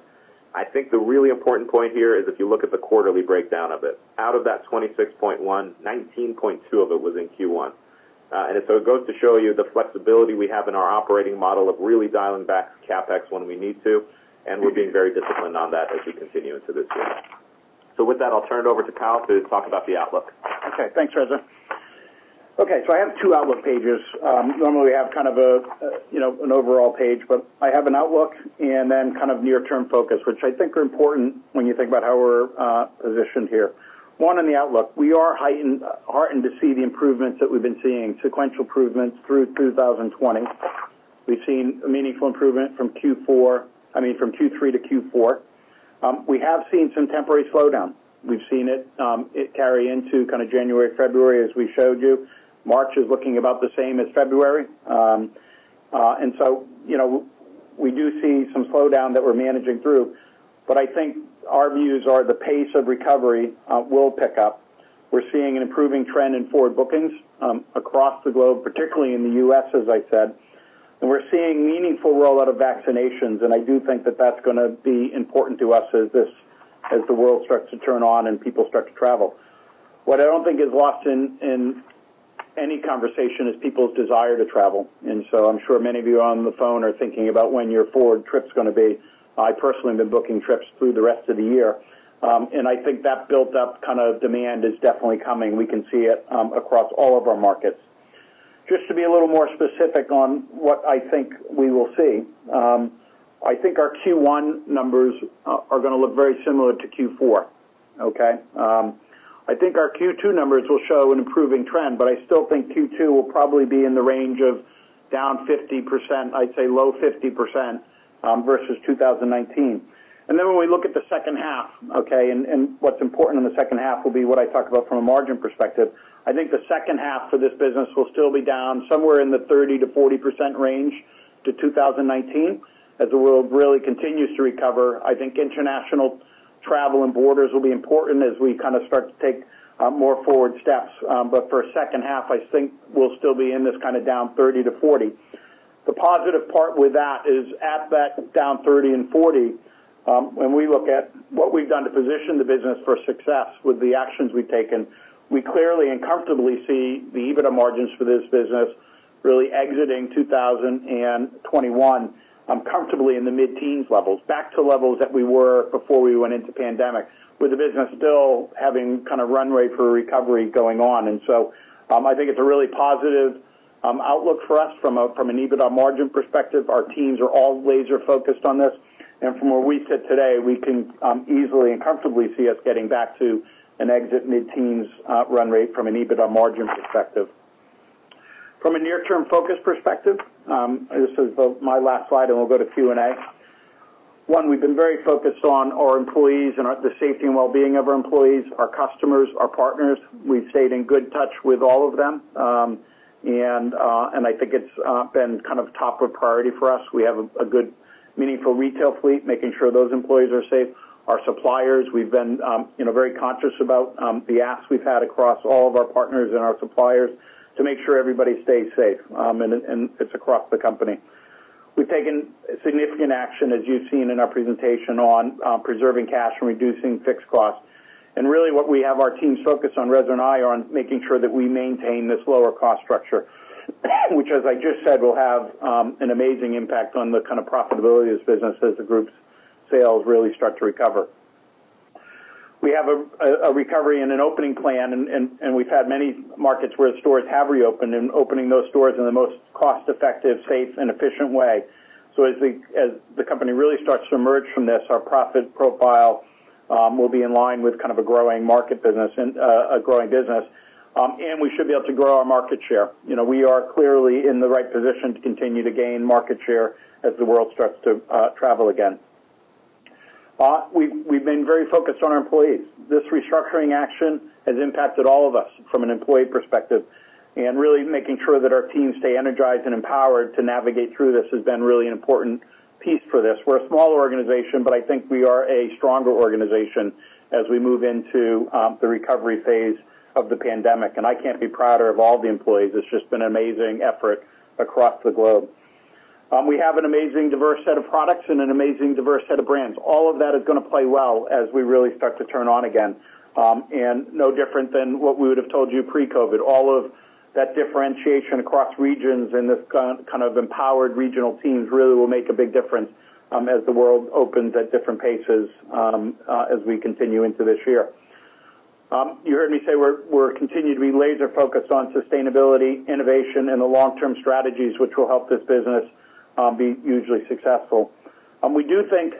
I think the really important point here is if you look at the quarterly breakdown of it. Out of that $26.1 million, $19.2 million of it was in Q1. It goes to show you the flexibility we have in our operating model of really dialing back CapEx when we need to, and we're being very disciplined on that as we continue into this year. With that, I'll turn it over to Kyle to talk about the outlook. Okay. Thanks, Reza. Okay, I have two outlook pages. Normally, we have an overall page, but I have an outlook and then near-term focus, which I think are important when you think about how we're positioned here. One, on the outlook. We are heartened to see the improvements that we've been seeing, sequential improvements through 2020. We've seen a meaningful improvement from Q3-Q4. We have seen some temporary slowdown. We've seen it carry into January, February, as we showed you. March is looking about the same as February. We do see some slowdown that we're managing through, but I think our views are the pace of recovery will pick up. We're seeing an improving trend in forward bookings across the globe, particularly in the U.S., as I said. We're seeing meaningful rollout of vaccinations, and I do think that that's going to be important to us as the world starts to turn on and people start to travel. What I don't think is lost in any conversation is people's desire to travel. I'm sure many of you on the phone are thinking about when your forward trip's going to be. I personally have been booking trips through the rest of the year. I think that built-up demand is definitely coming. We can see it across all of our markets. Just to be a little more specific on what I think we will see. I think our Q1 numbers are going to look very similar to Q4. Okay. I think our Q2 numbers will show an improving trend, but I still think Q2 will probably be in the range of down 50%, I'd say low 50%, versus 2019. When we look at the second half, okay, what's important in the second half will be what I talk about from a margin perspective. I think the second half for this business will still be down somewhere in the 30%-40% range to 2019. As the world really continues to recover, I think international travel and borders will be important as we start to take more forward steps. A second half, I think we'll still be in this down 30%-40%. The positive part with that is at that down 30% and 40%, when we look at what we've done to position the business for success with the actions we've taken, we clearly and comfortably see the EBITDA margins for this business really exiting 2021 comfortably in the mid-teens levels, back to levels that we were before we went into pandemic, with the business still having runway for recovery going on. I think it's a really positive outlook for us from an EBITDA margin perspective. Our teams are all laser-focused on this, and from where we sit today, we can easily and comfortably see us getting back to an exit mid-teens run rate from an EBITDA margin perspective. From a near-term focus perspective, this is my last slide, and we'll go to Q&A. We've been very focused on our employees and the safety and wellbeing of our employees, our customers, our partners. We've stayed in good touch with all of them. I think it's been top of priority for us. We have a good, meaningful retail fleet, making sure those employees are safe. Our suppliers, we've been very conscious about the asks we've had across all of our partners and our suppliers to make sure everybody stays safe, and it's across the company. We've taken significant action, as you've seen in our presentation, on preserving cash and reducing fixed costs. Really, what we have our teams focused on, Reza and I, are on making sure that we maintain this lower cost structure, which as I just said, will have an amazing impact on the profitability of this business as the group's sales really start to recover. We have a recovery and an opening plan, and we've had many markets where stores have reopened and opening those stores in the most cost-effective, safe, and efficient way. As the company really starts to emerge from this, our profit profile will be in line with a growing business. We should be able to grow our market share. We are clearly in the right position to continue to gain market share as the world starts to travel again. We've been very focused on our employees. This restructuring action has impacted all of us from an employee perspective, and really making sure that our teams stay energized and empowered to navigate through this has been really an important piece for this. We're a smaller organization, but I think we are a stronger organization as we move into the recovery phase of the pandemic. I can't be prouder of all the employees. It's just been an amazing effort across the globe. We have an amazing diverse set of products and an amazing diverse set of brands. All of that is going to play well as we really start to turn on again. No different than what we would've told you pre-COVID. All of that differentiation across regions and this kind of empowered regional teams really will make a big difference as the world opens at different paces as we continue into this year. You heard me say we're continuing to be laser-focused on sustainability, innovation, and the long-term strategies which will help this business be hugely successful. We do think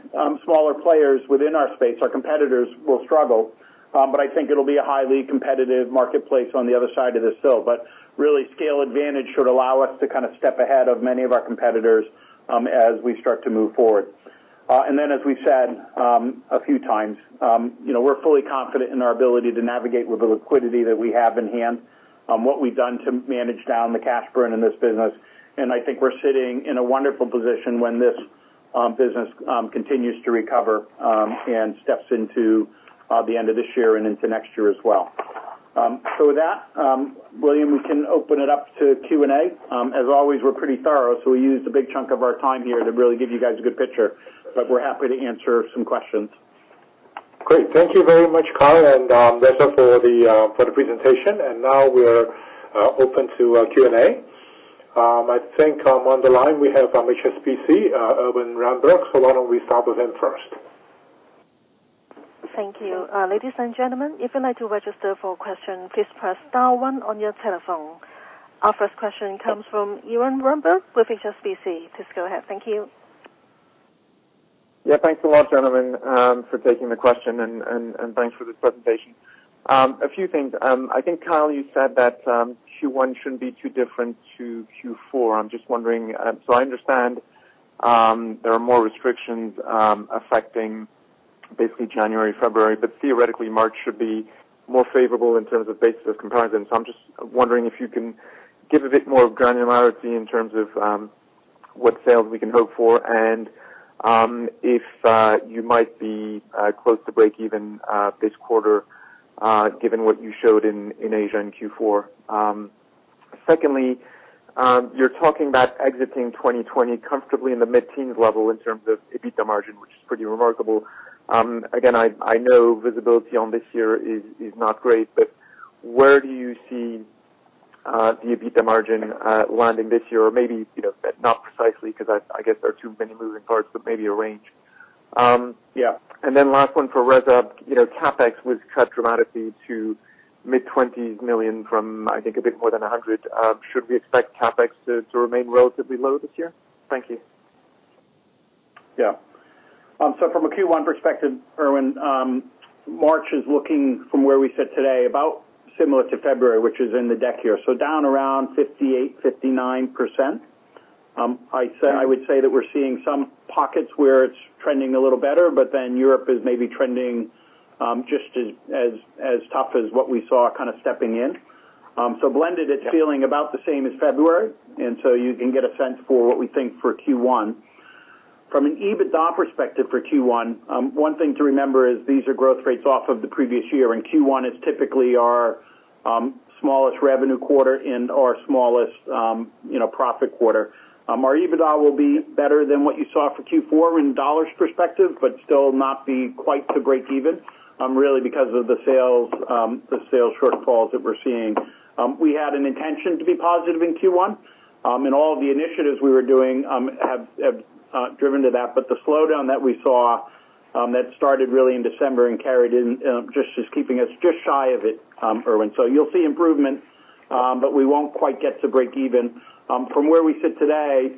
smaller players within our space, our competitors, will struggle. I think it'll be a highly competitive marketplace on the other side of this still. Really scale advantage should allow us to step ahead of many of our competitors as we start to move forward. As we've said a few times, we're fully confident in our ability to navigate with the liquidity that we have in hand, what we've done to manage down the cash burn in this business. I think we're sitting in a wonderful position when this business continues to recover and steps into the end of this year and into next year as well. With that, William, we can open it up to Q&A. As always, we're pretty thorough, so we used a big chunk of our time here to really give you guys a good picture, but we're happy to answer some questions. Great. Thank you very much, Kyle and Reza, for the presentation. Now we're open to Q&A. I think on the line we have HSBC, Erwan Rambourg. Why don't we start with him first? Thank you. Our first question comes from Erwan Rambourg with HSBC. Please go ahead. Thank you. Thanks a lot, gentlemen, for taking the question and thanks for this presentation. A few things. I think, Kyle, you said that Q1 shouldn't be too different to Q4. I'm just wondering, I understand there are more restrictions affecting basically January, February, but theoretically, March should be more favorable in terms of base of comparisons. I'm just wondering if you can give a bit more granularity in terms of what sales we can hope for and if you might be close to breakeven this quarter, given what you showed in Asia in Q4. Secondly, you're talking about exiting 2020 comfortably in the mid-teens level in terms of EBITDA margin, which is pretty remarkable. I know visibility on this year is not great, where do you see the EBITDA margin landing this year? Maybe not precisely, because I guess there are too many moving parts, but maybe a range. Yeah. Last one for Reza. CapEx was cut dramatically to mid-$20s million from, I think, a bit more than $100. Should we expect CapEx to remain relatively low this year? Thank you. Yeah. From a Q1 perspective, Erwan, March is looking from where we sit today about similar to February, which is in the deck here. Down around 58%, 59%. I would say that we're seeing some pockets where it's trending a little better, but then Europe is maybe trending just as tough as what we saw kind of stepping in. Blended, it's feeling about the same as February, and so you can get a sense for what we think for Q1. From an EBITDA perspective for Q1, one thing to remember is these are growth rates off of the previous year, and Q1 is typically our smallest revenue quarter and our smallest profit quarter. Our EBITDA will be better than what you saw for Q4 in dollars perspective, but still not be quite to breakeven, really because of the sales shortfalls that we're seeing. We had an intention to be positive in Q1, and all of the initiatives we were doing have driven to that. The slowdown that we saw that started really in December and carried in, just keeping us just shy of it, Erwan. You'll see improvement, but we won't quite get to breakeven. From where we sit today,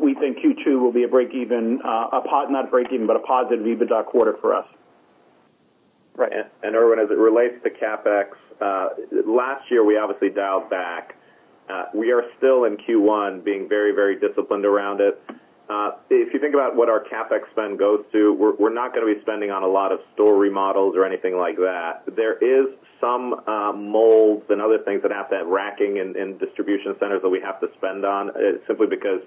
we think Q2 will be a breakeven, not a breakeven, but a positive EBITDA quarter for us. Right. Erwan, as it relates to CapEx, last year, we obviously dialed back. We are still in Q1 being very disciplined around it. If you think about what our CapEx spend goes to, we're not going to be spending on a lot of store remodels or anything like that. There is some molds and other things that have to have racking in distribution centers that we have to spend on simply because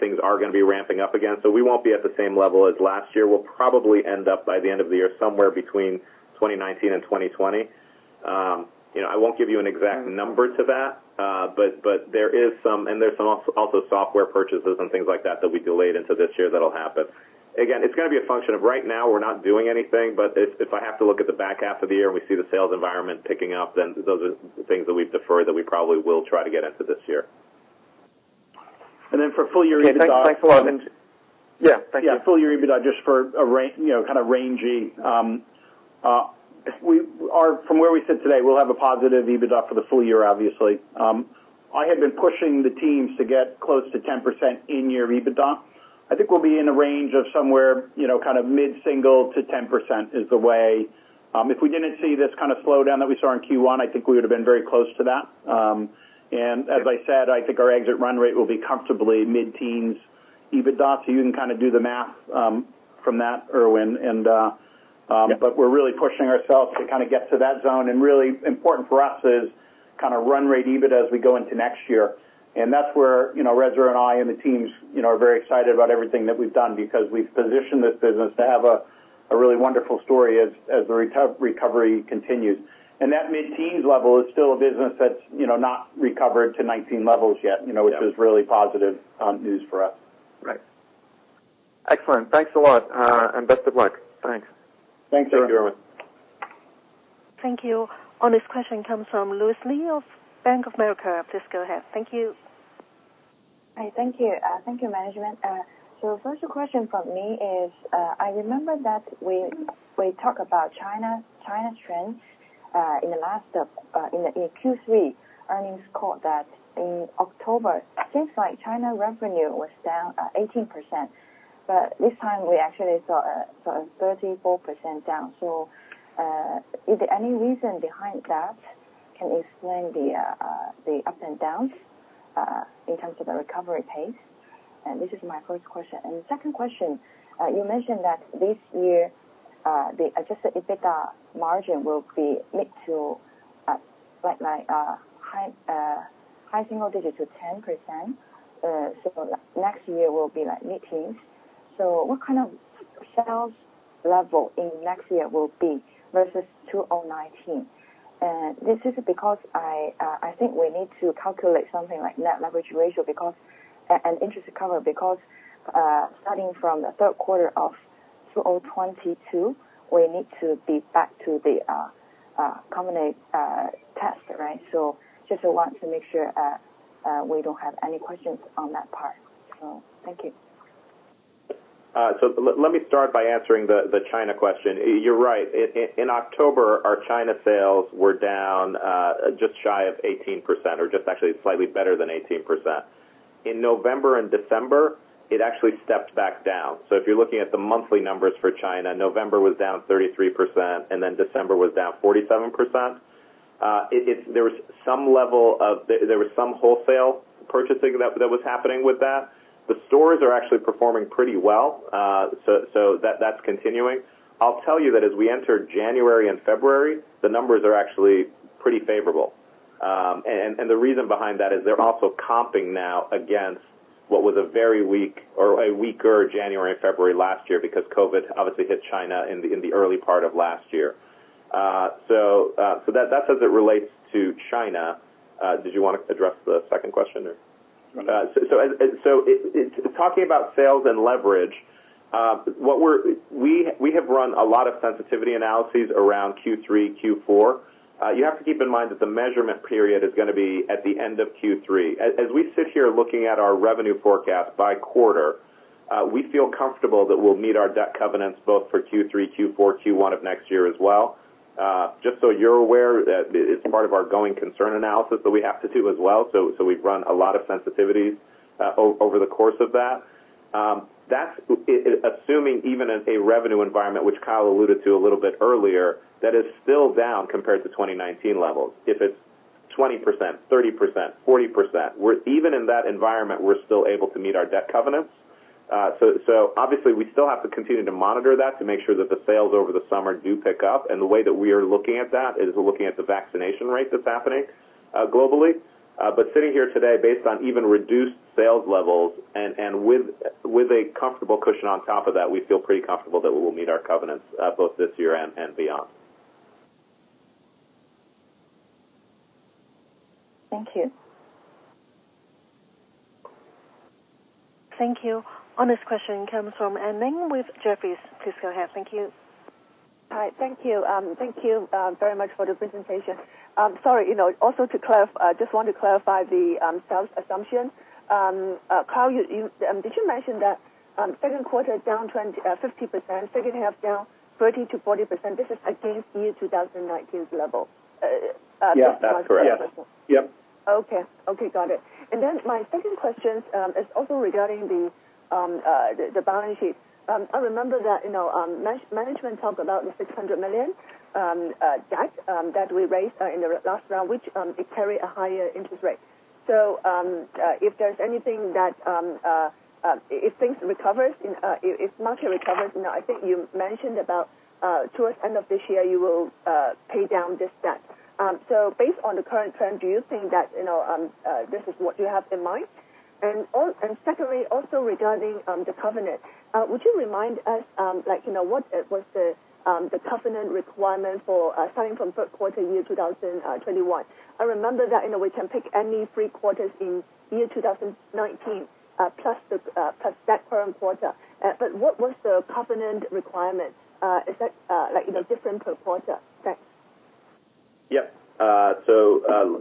things are going to be ramping up again. We won't be at the same level as last year. We'll probably end up by the end of the year somewhere between 2019 and 2020. I won't give you an exact number to that. There's also software purchases and things like that we delayed into this year that'll happen. It's going to be a function of right now we're not doing anything, but if I have to look at the back half of the year and we see the sales environment picking up, then those are the things that we've deferred that we probably will try to get into this year. For full year EBITDA. Okay, thanks a lot. Yeah. Thank you. Yeah, full year EBITDA, just for kind of ranging. From where we sit today, we'll have a positive EBITDA for the full year, obviously. I had been pushing the teams to get close to 10% in year EBITDA. I think we'll be in a range of somewhere kind of mid-single to 10% is the way. If we didn't see this kind of slowdown that we saw in Q1, I think we would've been very close to that. As I said, I think our exit run rate will be comfortably mid-teens EBITDA, so you can kind of do the math from that, Erwan. Yeah. We're really pushing ourselves to kind of get to that zone. Really important for us is kind of run rate EBIT as we go into next year. That's where Reza and I and the teams are very excited about everything that we've done because we've positioned this business to have a really wonderful story as the recovery continues. That mid-teens level is still a business that's not recovered to 2019 levels yet, which is really positive news for us. Right. Excellent. Thanks a lot and best of luck. Thanks. Thanks, Erwan. Thank you. Thank you. Our next question comes from Louis Lee of Bank of America. Please go ahead. Thank you. Hi. Thank you. Thank you, management. First question from me is, I remember that we talk about China trends in Q3 earnings call that in October, seems like China revenue was down 18%, but this time we actually saw a 34% down. Is there any reason behind that? Can you explain the up and downs? In terms of the recovery pace. This is my first question. The second question, you mentioned that this year, the adjusted EBITDA margin will be mid to high single digits of 10%, next year will be mid-teens. What kind of sales level in next year will be versus 2019? This is because I think we need to calculate something like net leverage ratio and interest cover, because starting from the third quarter of 2022, we need to be back to the covenant test, right? Just want to make sure we don't have any questions on that part. Thank you. Let me start by answering the China question. You're right. In October, our China sales were down just shy of 18%, or just actually slightly better than 18%. In November and December, it actually stepped back down. If you're looking at the monthly numbers for China, November was down 33%, and then December was down 47%. There was some wholesale purchasing that was happening with that. The stores are actually performing pretty well, so that's continuing. I'll tell you that as we enter January and February, the numbers are actually pretty favorable. The reason behind that is they're also comping now against what was a weaker January and February last year because COVID obviously hit China in the early part of last year. That's as it relates to China. Did you want to address the second question? Sure. Talking about sales and leverage, we have run a lot of sensitivity analyses around Q3, Q4. You have to keep in mind that the measurement period is going to be at the end of Q3. As we sit here looking at our revenue forecast by quarter, we feel comfortable that we'll meet our debt covenants both for Q3, Q4, Q1 of next year as well. Just so you're aware, it's part of our going concern analysis that we have to do as well, we've run a lot of sensitivities over the course of that. That's assuming even a revenue environment, which Kyle alluded to a little bit earlier, that is still down compared to 2019 levels. If it's 20%, 30%, 40%, even in that environment, we're still able to meet our debt covenants. Obviously we still have to continue to monitor that to make sure that the sales over the summer do pick up, and the way that we are looking at that is we're looking at the vaccination rate that's happening globally. Sitting here today, based on even reduced sales levels and with a comfortable cushion on top of that, we feel pretty comfortable that we'll meet our covenants both this year and beyond. Thank you. Thank you. Our next question comes from Anne Ling with Jefferies. Please go ahead. Thank you. Hi. Thank you. Thank you very much for the presentation. Sorry, just want to clarify the sales assumption. Kyle, did you mention that second quarter down 50%, second half down 30%-40%? This is against year 2019 level. Yeah, that's correct. Yeah. Yep. Okay. Got it. My second question is also regarding the balance sheet. I remember that management talked about the $600 million debt that we raised in the last round, which it carry a higher interest rate. If market recovers, I think you mentioned about towards end of this year, you will pay down this debt. Based on the current trend, do you think that this is what you have in mind? Secondly, also regarding the covenant. Would you remind us what was the covenant requirement starting from third quarter year 2021? I remember that we can pick any three quarters in year 2019 plus that current quarter. What was the covenant requirement? Is that different per quarter? Thanks. Yep.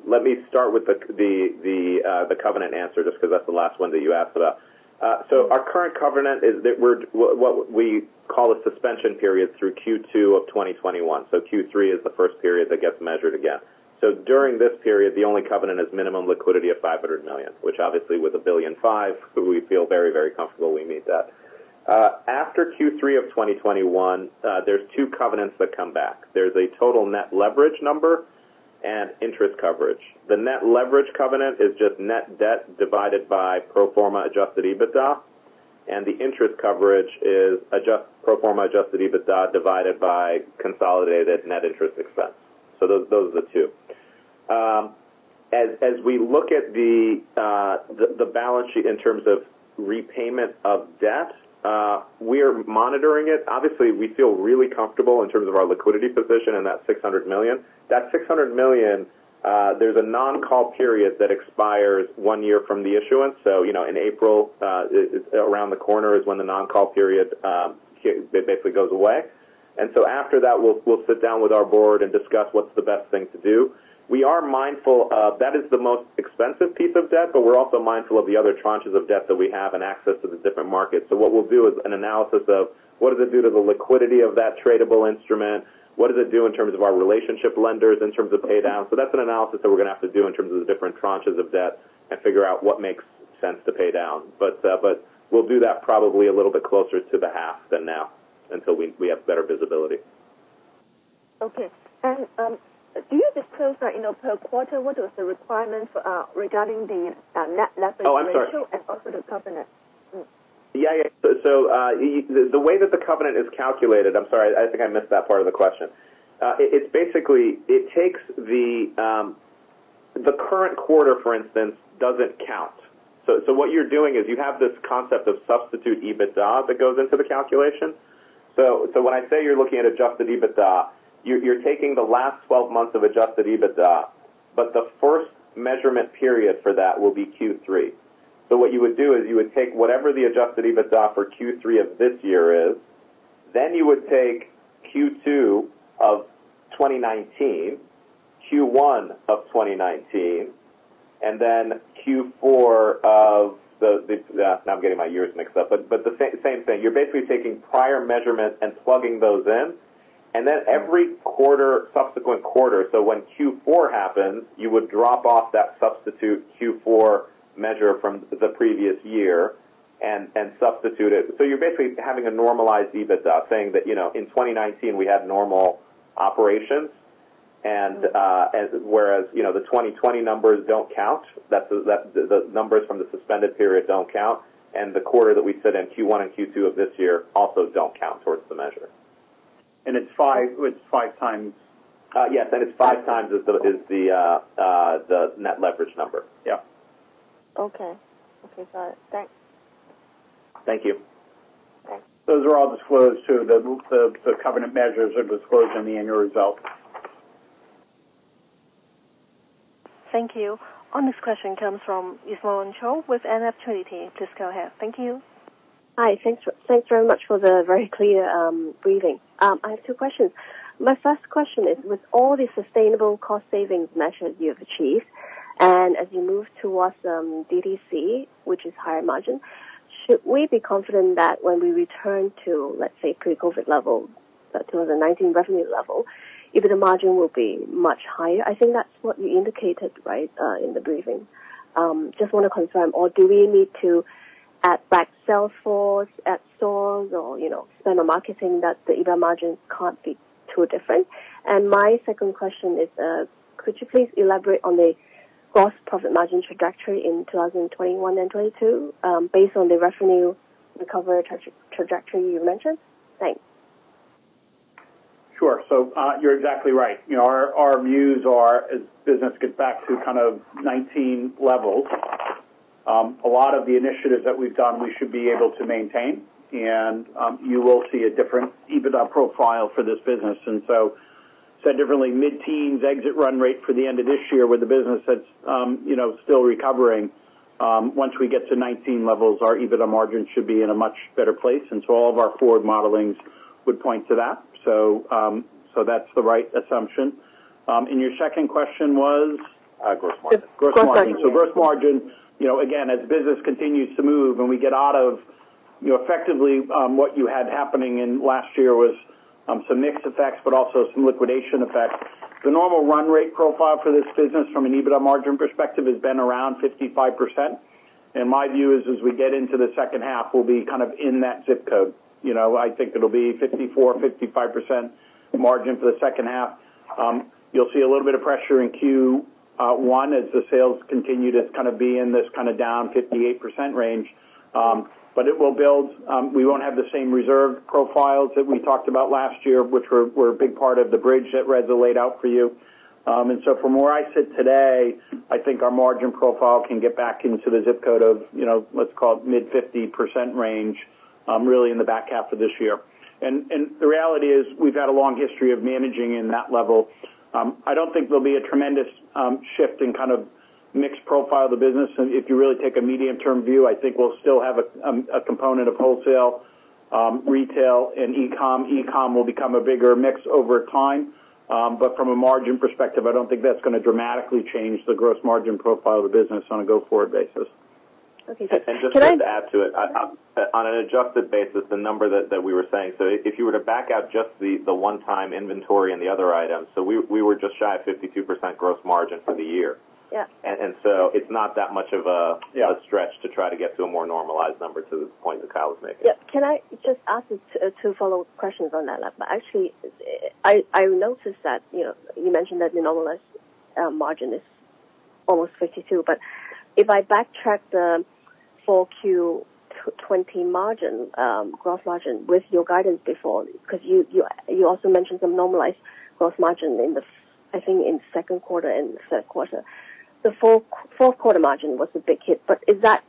Let me start with the covenant answer, just because that's the last one that you asked about. Our current covenant is what we call a suspension period through Q2 of 2021. Q3 is the first period that gets measured again. During this period, the only covenant is minimum liquidity of $500 million, which obviously with $1.5 billion, we feel very, very comfortable we meet that. After Q3 of 2021, there's two covenants that come back. There's a total net leverage number and interest coverage. The net leverage covenant is just net debt divided by pro forma adjusted EBITDA, and the interest coverage is pro forma adjusted EBITDA divided by consolidated net interest expense. Those are the two. As we look at the balance sheet in terms of repayment of debt, we are monitoring it. We feel really comfortable in terms of our liquidity position and that $600 million. That $600 million, there's a non-call period that expires one year from the issuance. In April, around the corner is when the non-call period basically goes away. After that, we'll sit down with our board and discuss what's the best thing to do. We are mindful that is the most expensive piece of debt, but we're also mindful of the other tranches of debt that we have and access to the different markets. What we'll do is an analysis of what does it do to the liquidity of that tradable instrument? What does it do in terms of our relationship lenders in terms of pay down? That's an analysis that we're going to have to do in terms of the different tranches of debt and figure out what makes sense to pay down. We'll do that probably a little bit closer to the half than now, until we have better visibility. Okay. Do you disclose per quarter what was the requirement regarding the net leverage ratio? Oh, I'm sorry. Also the covenant? The way that the covenant is calculated. I'm sorry, I think I missed that part of the question. The current quarter, for instance, doesn't count. What you're doing is you have this concept of substitute EBITDA that goes into the calculation. When I say you're looking at adjusted EBITDA, you're taking the last 12 months of adjusted EBITDA, but the first measurement period for that will be Q3. What you would do is you would take whatever the adjusted EBITDA for Q3 of this year is, then you would take Q2 of 2019, Q1 of 2019, and then Q4 of the. Now I'm getting my years mixed up, but the same thing. You're basically taking prior measurements and plugging those in, and then every subsequent quarter, so when Q4 happens, you would drop off that substitute Q4 measure from the previous year and substitute it. You're basically having a normalized EBITDA saying that in 2019 we had normal operations, whereas the 2020 numbers don't count. The numbers from the suspended period don't count. The quarter that we said in Q1 and Q2 of this year also don't count towards the measure. It's five times. Yes. It's five times is the net leverage number. Yep. Okay. Got it. Thanks. Thank you. Thanks. Those are all disclosed, too. The covenant measures are disclosed in the annual results. Thank you. Our next question comes from I-Chuan Cho with NF Trinity. Just go ahead. Thank you. Hi. Thanks very much for the very clear briefing. I have two questions. My first question is, with all the sustainable cost savings measures you have achieved, and as you move towards DTC, which is higher margin, should we be confident that when we return to, let's say, pre-COVID levels, 2019 revenue level, EBITDA margin will be much higher? I think that's what you indicated, right, in the briefing. Just want to confirm. Or do we need to add back sales force at stores or spend on marketing that the EBITDA margins can't be too different? My second question is could you please elaborate on the gross profit margin trajectory in 2021 and 2022, based on the revenue recovery trajectory you mentioned? Thanks. Sure. You're exactly right. Our views are as business gets back to kind of 2019 levels, a lot of the initiatives that we've done, we should be able to maintain, and you will see a different EBITDA profile for this business. Said differently, mid-teens exit run rate for the end of this year with the business that's still recovering. Once we get to 2019 levels, our EBITDA margins should be in a much better place. All of our forward modelings would point to that. That's the right assumption. Your second question was? Gross margin. Gross margin. Yeah. Gross margin. Gross margin, again, as business continues to move and we get out of effectively, what you had happening in last year was some mix effects, but also some liquidation effects. The normal run rate profile for this business from an EBITDA margin perspective has been around 55%. My view is as we get into the second half, we'll be kind of in that ZIP code. I think it'll be 54%-55% margin for the second half. You'll see a little bit of pressure in Q1 as the sales continue to kind of be in this kind of down 58% range. It will build. We won't have the same reserve profiles that we talked about last year, which were a big part of the bridge that Reza laid out for you. From where I sit today, I think our margin profile can get back into the ZIP code of, let's call it mid-50% range, really in the back half of this year. The reality is we've had a long history of managing in that level. I don't think there'll be a tremendous shift in kind of mix profile of the business. If you really take a medium-term view, I think we'll still have a component of wholesale, retail, and e-com. E-com will become a bigger mix over time. From a margin perspective, I don't think that's going to dramatically change the gross margin profile of the business on a go-forward basis. Okay. Can I. Just to add to it, on an adjusted basis, the number that we were saying, if you were to back out just the one-time inventory and the other items, we were just shy of 52% gross margin for the year. Yeah. It's not that much of a stretch to try to get to a more normalized number to the point that Kyle was making. Yeah. Can I just ask two follow-up questions on that? Actually, I noticed that you mentioned that the normalized margin is almost 52. If I backtrack the full 2020 margin, gross margin with your guidance before, because you also mentioned some normalized gross margin I think in second quarter and third quarter. The fourth quarter margin was a big hit. Is that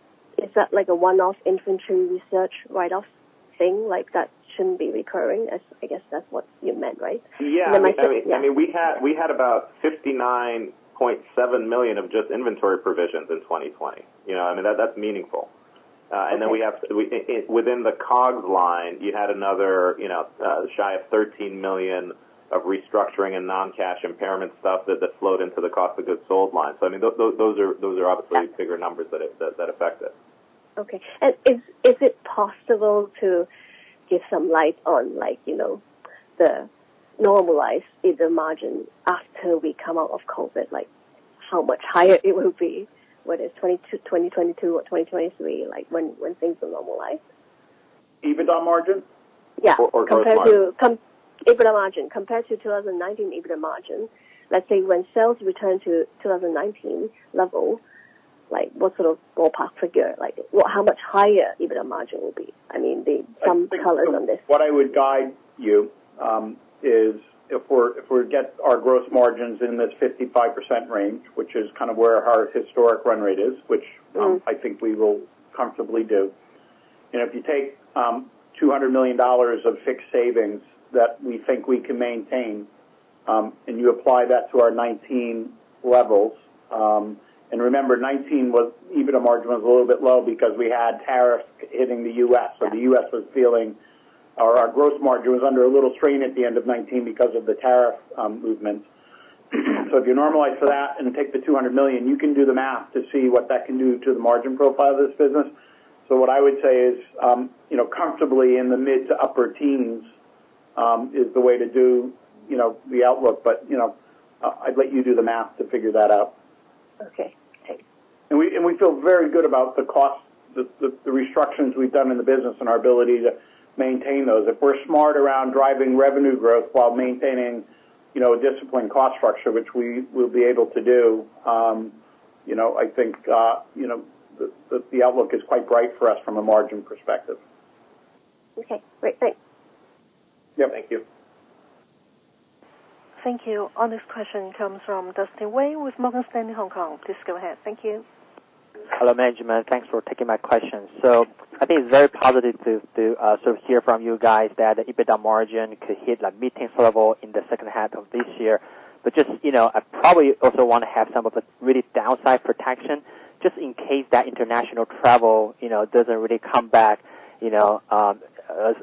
like a one-off inventory reserve write-off thing, like that shouldn't be recurring? I guess that's what you meant, right? Yeah. Am I correct? Yeah. I mean, we had about $59.7 million of just inventory provisions in 2020. That's meaningful. Okay. Within the COGS line, you had another shy of $13 million of restructuring and non-cash impairment stuff that flowed into the Cost of Goods Sold line. I mean, those are obviously bigger numbers that affect it. Okay. Is it possible to give some light on the normalized EBITDA margin after we come out of COVID, like how much higher it will be, whether it's 2022 or 2023, like when things are normalized? EBITDA margin? Yeah. Gross margin? EBITDA margin. Compared to 2019 EBITDA margin, let's say when sales return to 2019 level, what sort of ballpark figure? How much higher EBITDA margin will be? I mean, some color on this. What I would guide you is if we get our gross margins in this 55% range, which is kind of where our historic run rate is, which I think we will comfortably do. If you take $200 million of fixed savings that we think we can maintain, you apply that to our 2019 levels, and remember, 2019 EBITDA margin was a little bit low because we had tariffs hitting the U.S. The U.S. was feeling our gross margin was under a little strain at the end of 2019 because of the tariff movement. If you normalize for that and take the $200 million, you can do the math to see what that can do to the margin profile of this business. What I would say is, comfortably in the mid to upper teens, is the way to do the outlook, but I'd let you do the math to figure that out. Okay, great. We feel very good about the restructurings we've done in the business and our ability to maintain those. If we're smart around driving revenue growth while maintaining a disciplined cost structure, which we will be able to do, I think the outlook is quite bright for us from a margin perspective. Okay, great. Thanks. Yeah, thank you. Thank you. Our next question comes from Dustin Wei with Morgan Stanley, Hong Kong. Please go ahead. Thank you. Hello, management. Thanks for taking my questions. I'd be very positive to hear from you guys that the EBITDA margin could hit that pre-COVID level in the second half of this year. [Just I probably over the one half,] some of it's really [helped by] protection. In case that international travel doesn't really come back,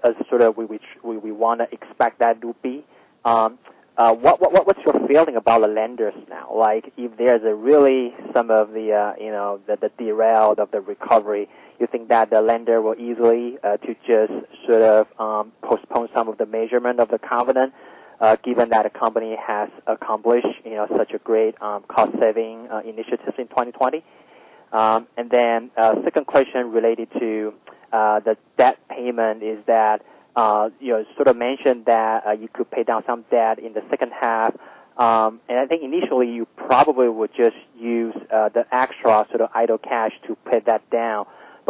as a sort of which way we want to expect that to be, what you're building upon the lenders now, like if they're [the really some of the route of the recovery, you think that the lender will easily just sort of postpone some of the measurement of the covenant given that a company has accomplished such a great cost-saving initiatives in 2020? The second question related to that payment is that, you sort of mentioned that you could pay down some debt in the second half. I think initially you probably would just use the extra idle cash to pay that down.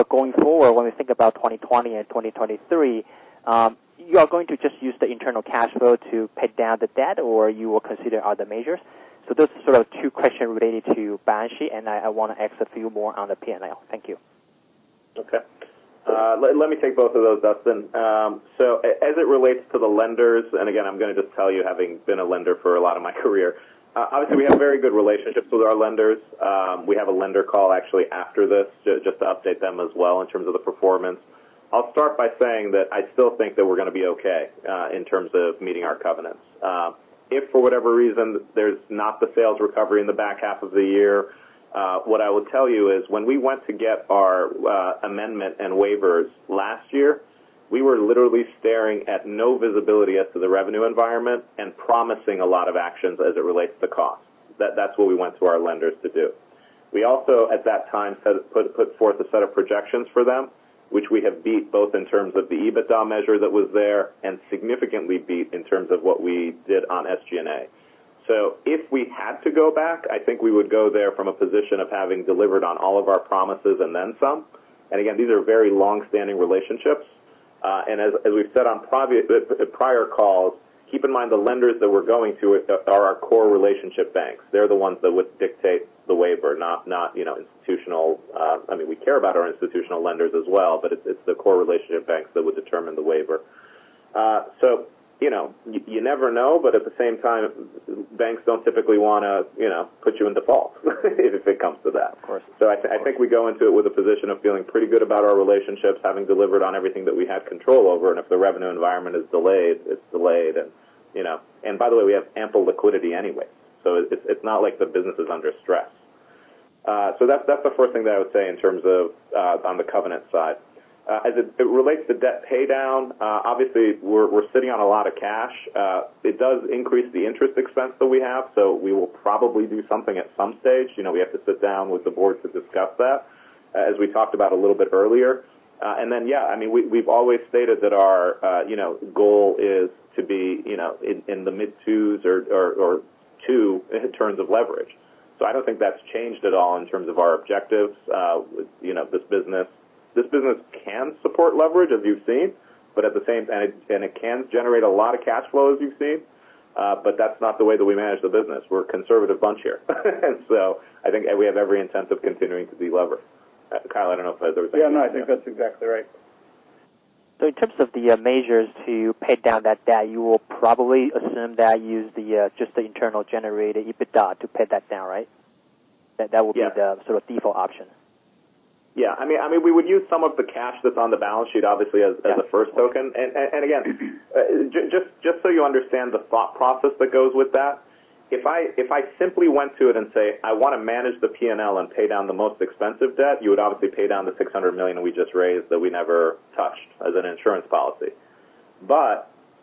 Going forward, when we think about 2020 and 2023, you are going to just use the internal cash flow to pay down the debt, or you will consider other measures? Those are two questions related to you, balance sheet. I want to ask a few more on the P&L. Thank you. Okay. Let me take both of those, Dustin. As it relates to the lenders, and again, I'm going to just tell you, having been a lender for a lot of my career, I would say we have very good relationships with our lenders. We have a lender call actually after this just to update them as well in terms of the performance. I'll start by saying that I still think that we're going to be okay in terms of meeting our covenants. If for whatever reason there's not the sales recovery in the back half of the year, what I would tell you is when we went to get our amendment and waivers last year, we were literally staring at no visibility as to the revenue environment and promising a lot of actions as it relates to cost. That's what we went to our lenders to do. We also, at that time, put forth a set of projections for them, which we have beat both in terms of the EBITDA measure that was there and significantly beat in terms of what we did on SG&A. If we had to go back, I think we would go there from a position of having delivered on all of our promises and then some. Again, these are very long-standing relationships. As we've said on prior calls, keep in mind the lenders that we're going to are our core relationship banks. They're the ones that would dictate the waiver, not institutional. I mean, we care about our institutional lenders as well, but it's the core relationship banks that would determine the waiver. You never know, but at the same time, banks don't typically want to put you in default if it comes to that. Of course. I think we go into it with a position of feeling pretty good about our relationships, having delivered on everything that we have control over, and if the revenue environment is delayed, it's delayed. By the way, we have ample liquidity anyway. It's not like the business is under stress. That's the first thing that I would say in terms of on the covenant side. As it relates to debt paydown, obviously we're sitting on a lot of cash. It does increase the interest expense that we have, so we will probably do something at some stage. We have to sit down with the Board to discuss that, as we talked about a little bit earlier. Yeah, we've always stated that our goal is to be in the mid twos or two in terms of leverage. I don't think that's changed at all in terms of our objectives. This business can support leverage, as you've seen, and it can generate a lot of cash flow, as you've seen. That's not the way that we manage the business. We're a conservative bunch here. I think we have every intent of continuing to delever. Kyle, I don't know if there's- Yeah, no, I think that's exactly right. In terms of the measures to pay down that debt, you will probably assume that you use just the internal generated EBITDA to pay that down, right? Yeah the sort of default option. Yeah. We would use some of the cash that's on the balance sheet obviously as the first token. Again, just so you understand the thought process that goes with that, if I simply went to it and say, I want to manage the P&L and pay down the most expensive debt, you would obviously pay down the $600 million that we just raised that we never touched as an insurance policy.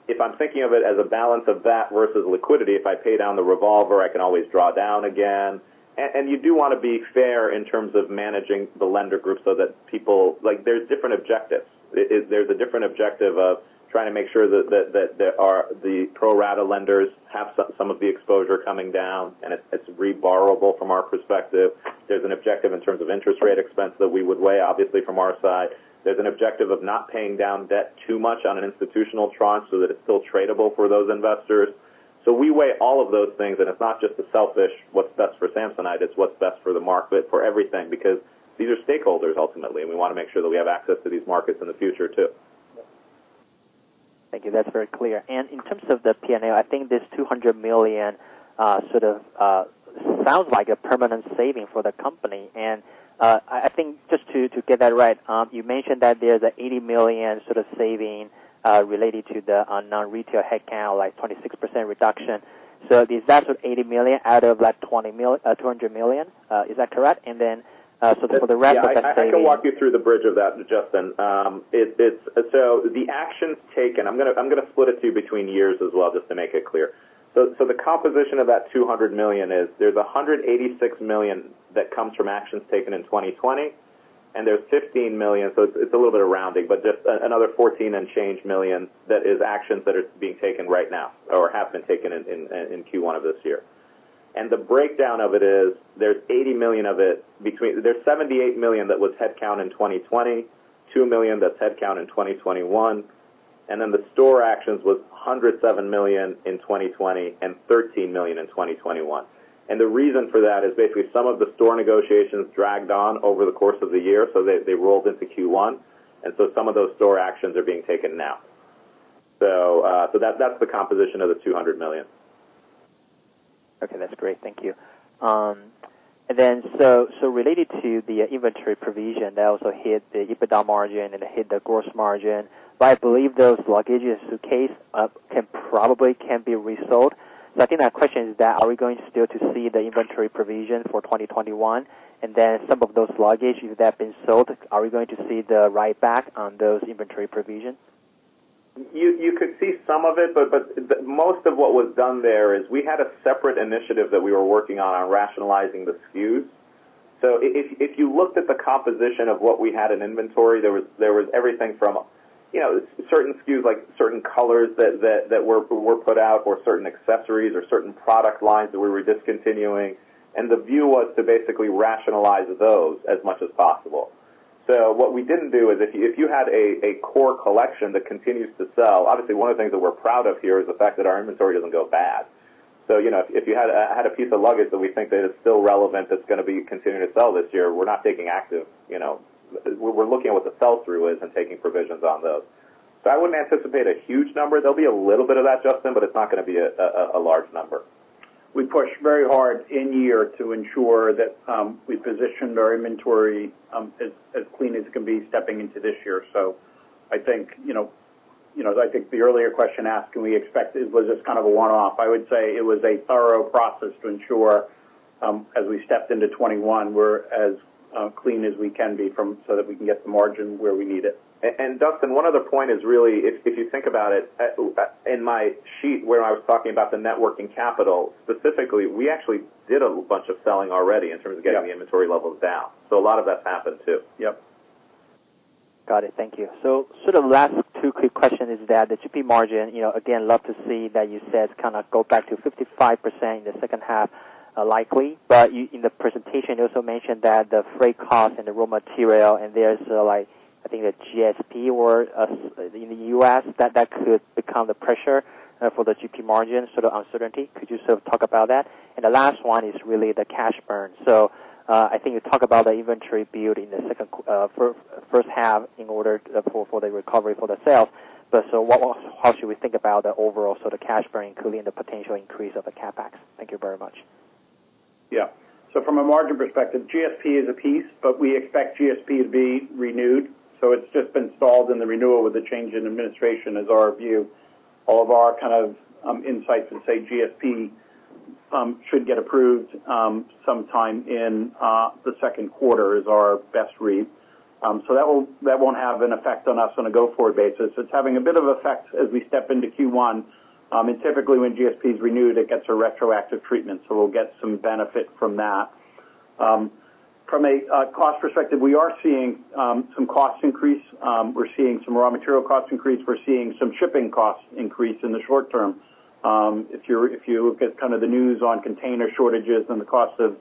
If I'm thinking of it as a balance of that versus liquidity, if I pay down the revolver, I can always draw down again. You do want to be fair in terms of managing the lender group. There's different objectives. There's a different objective of trying to make sure that the pro rata lenders have some of the exposure coming down, and it's re-borrowable from our perspective. There's an objective in terms of interest rate expense that we would weigh, obviously, from our side. There's an objective of not paying down debt too much on an institutional tranche so that it's still tradable for those investors. We weigh all of those things, and it's not just the selfish, what's best for Samsonite, it's what's best for the market, for everything. These are stakeholders, ultimately, and we want to make sure that we have access to these markets in the future, too. Thank you. That's very clear. In terms of the P&L, I think this $200 million sounds like a permanent saving for the company. I think just to get that right, you mentioned that there's $80 million sort of saving related to the on non-retail headcount, like 26% reduction. The effect of $80 million out of that $200 million. Is that correct? Then for the rest of that saving- Yeah. I'll walk you through the bridge of that, Dustin. The action taken, I'm going to split it between years as well, just to make it clear. The composition of that $200 million is there's $186 million that comes from actions taken in 2020, and there's $15 million, so it's a little bit rounded, but another $14 and change million, that is actions that are being taken right now or have been taken in Q1 of this year. The breakdown of it is, there's $80 million of it. There's $78 million that was headcount in 2020, $2 million that's headcount in 2021, and then the store actions was $107 million in 2020 and $13 million in 2021. The reason for that is basically some of the store negotiations dragged on over the course of the year, so they rolled into Q1. Some of those store actions are being taken now. That's the composition of the $200 million. Okay. That's great. Thank you. Related to the inventory provision, that was a hit to EBITDA margin and a hit to gross margin. I believe those luggages in case can probably can be refilled. My other question is that are we going still to see the inventory provision for 2021? Some of those luggages that have been sold, are we going to see the write back on those inventory provisions? You could see some of it, but most of what was done there is we had a separate initiative that we were working on rationalizing the SKUs. If you looked at the composition of what we had in inventory, there was everything from certain SKUs, like certain colors that were put out, or certain accessories, or certain product lines that we were discontinuing. The view was to basically rationalize those as much as possible. What we didn't do is if you had a core collection that continues to sell, obviously, one of the things that we're proud of here is the fact that our inventory doesn't go bad. If you had a piece of luggage that we think that is still relevant, that's going to be continuing to sell this year. We're looking at what the sell-through is and taking provisions on those. I wouldn't anticipate a huge number. There'll be a little bit of that, Dustin, but it's not going to be a large number. We pushed very hard in year to ensure that we positioned our inventory as clean as can be stepping into this year. I think the earlier question asked, can we expect it? Was this kind of a one-off? I would say it was a thorough process to ensure, as we stepped into 2021, we're as clean as we can be so that we can get the margin where we need it. Dustin, one other point is really, if you think about it, in my sheet where I was talking about the net working capital, specifically, we actually did a whole bunch of selling already in terms of getting the inventory levels down. A lot of that happened, too. Yep. Got it. Thank you. The last two quick question is that the GP margin, again, love to see that you said kind of go back to 55%, the second half, likely. In the presentation, you also mentioned that freight cost and the raw material, and there is the GSP or the U.S., that could become the pressure for the GP margins for the uncertainty. Could you still talk about that? The last one is really the cash burn. I think you talk about the inventory build-up in the second first half in order for the recovery for the sales. How should we think about the overall, so the cash burn could be in the potential increase of the CapEx? Thank you very much. From a margin perspective, GSP is a piece, but we expect GSP to be renewed. It's just been stalled in the renewal with the change in administration is our view. All of our kind of insights would say GSP should get approved sometime in the second quarter, is our best read. That won't have an effect on us on a go-forward basis. It's having a bit of effect as we step into Q1. Typically, when GSP is renewed, it gets a retroactive treatment, so we'll get some benefit from that. From a cost perspective, we are seeing some cost increase. We're seeing some raw material cost increase. We're seeing some shipping cost increase in the short term. If you look at kind of the news on container shortages and the cost of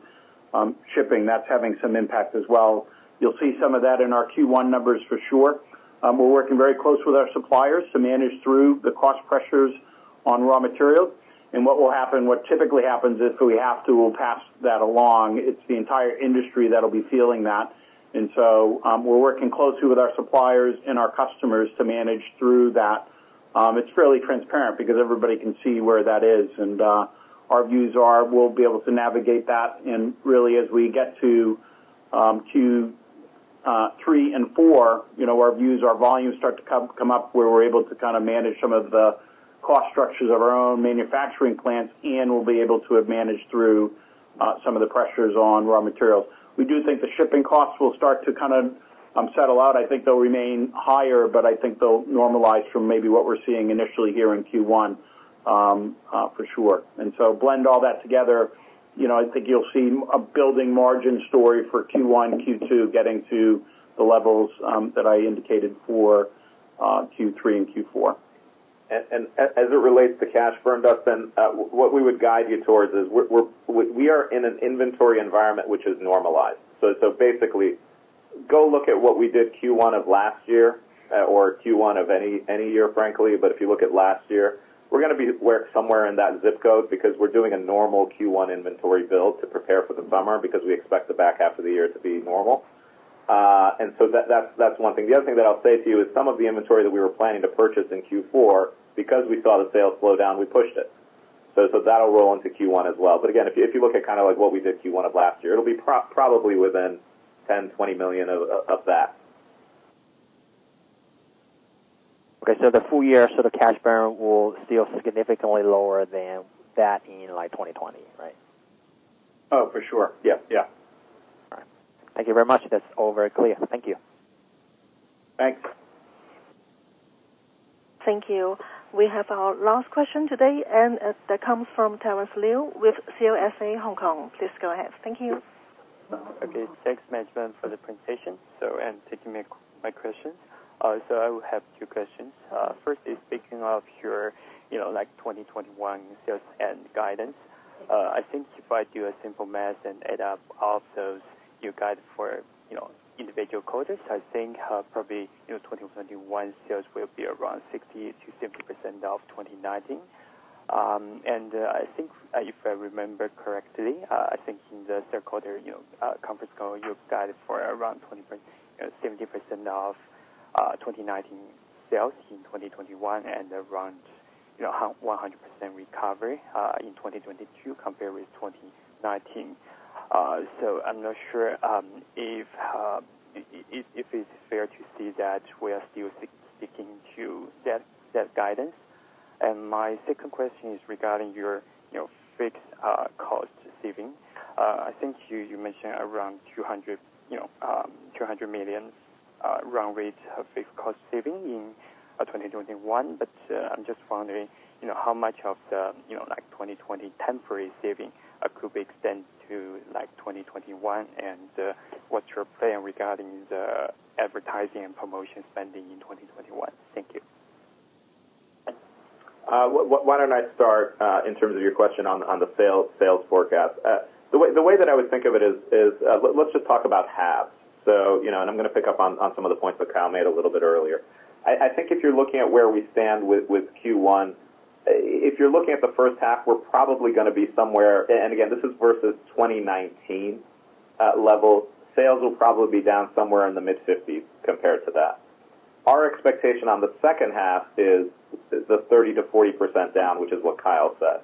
shipping, that's having some impact as well. You'll see some of that in our Q1 numbers for sure. We're working very close with our suppliers to manage through the cost pressures on raw materials, what typically happens is, if we have to, we'll pass that along. It's the entire industry that'll be feeling that. We're working closely with our suppliers and our customers to manage through that. It's fairly transparent because everybody can see where that is, and our views are we'll be able to navigate that. Really, as we get to Q3 and 4, our volumes start to come up where we're able to kind of manage some of the cost structures of our own manufacturing plants, and we'll be able to have managed through some of the pressures on raw materials. We do think the shipping costs will start to kind of settle out I think they'll remain higher, but I think they'll normalize from maybe what we're seeing initially here in Q1 for sure. Blend all that together, I think you'll see a building margin story for Q1, Q2 getting to the levels that I indicated for Q3 and Q4. As it relates to cash burn, Dustin, what we would guide you towards is we are in an inventory environment which is normalized. Basically, go look at what we did Q1 of last year, or Q1 of any year, frankly, but if you look at last year, we're going to be somewhere in that ZIP code because we're doing a normal Q1 inventory build to prepare for the summer because we expect the back half of the year to be normal. That's one thing. The other thing that I'll say to you is some of the inventory that we were planning to purchase in Q4, because we saw the sales slow down, we pushed it. That'll roll into Q1 as well. Again, if you look at kind of like what we did Q1 of last year, it'll be probably within $10 million-$20 million of that. Okay, the full year, so the cash burn will still significantly lower than that in like 2020, right? Oh, for sure. Yeah. All right. Thank you very much. That's all very clear. Thank you. Thanks. Thank you. We have our last question today, and that comes from [Terry Liu from CLSA] Hong Kong. Please go ahead. Thank you. Okay, thanks management for the presentation and taking my questions. I will have two questions. First is speaking of your 2021 sales and guidance. I think if I do a simple math and add up all those you guide for individual quarters, I think probably your 2021 sales will be around 60%-50% of 2019. I think if I remember correctly, I think in the third quarter conference call, you guided for around 70% of 2019 sales in 2021 and around 100% recovery in 2022 compared with 2019. I'm not sure if it's fair to say that we are still sticking to that guidance. My second question is regarding your fixed cost saving. I think you mentioned around $200 million run rate of fixed cost saving in 2021. I'm just wondering how much of the 2020 temporary saving could be extended to 2021, and what's your plan regarding the advertising and promotion spending in 2021? Thank you. Why don't I start in terms of your question on the sales forecast. The way that I would think of it is, let's just talk about halves. I'm going to pick up on some of the points that Kyle made a little bit earlier. I think if you're looking at where we stand with Q1, if you're looking at the first half, we're probably going to be somewhere, and again, this is versus 2019 levels. Sales will probably be down somewhere in the mid-50s compared to that. Our expectation on the second half is the 30%-40% down, which is what Kyle said.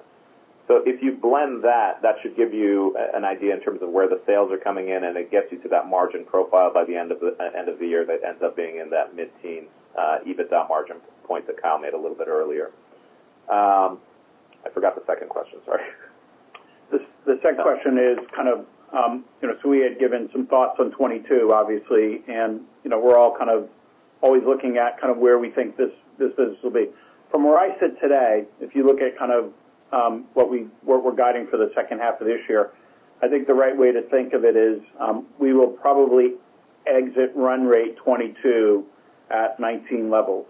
If you blend that should give you an idea in terms of where the sales are coming in, and it gets you to that margin profile by the end of the year that ends up being in that mid-teen EBITDA margin point that Kyle made a little bit earlier. I forgot the second question. Sorry. The second question, we had given some thoughts on 2022, obviously, and we're all always looking at where we think this will be. From where I sit today, if you look at what we're guiding for the second half of this year, I think the right way to think of it is we will probably exit run rate 2022 at 2019 levels.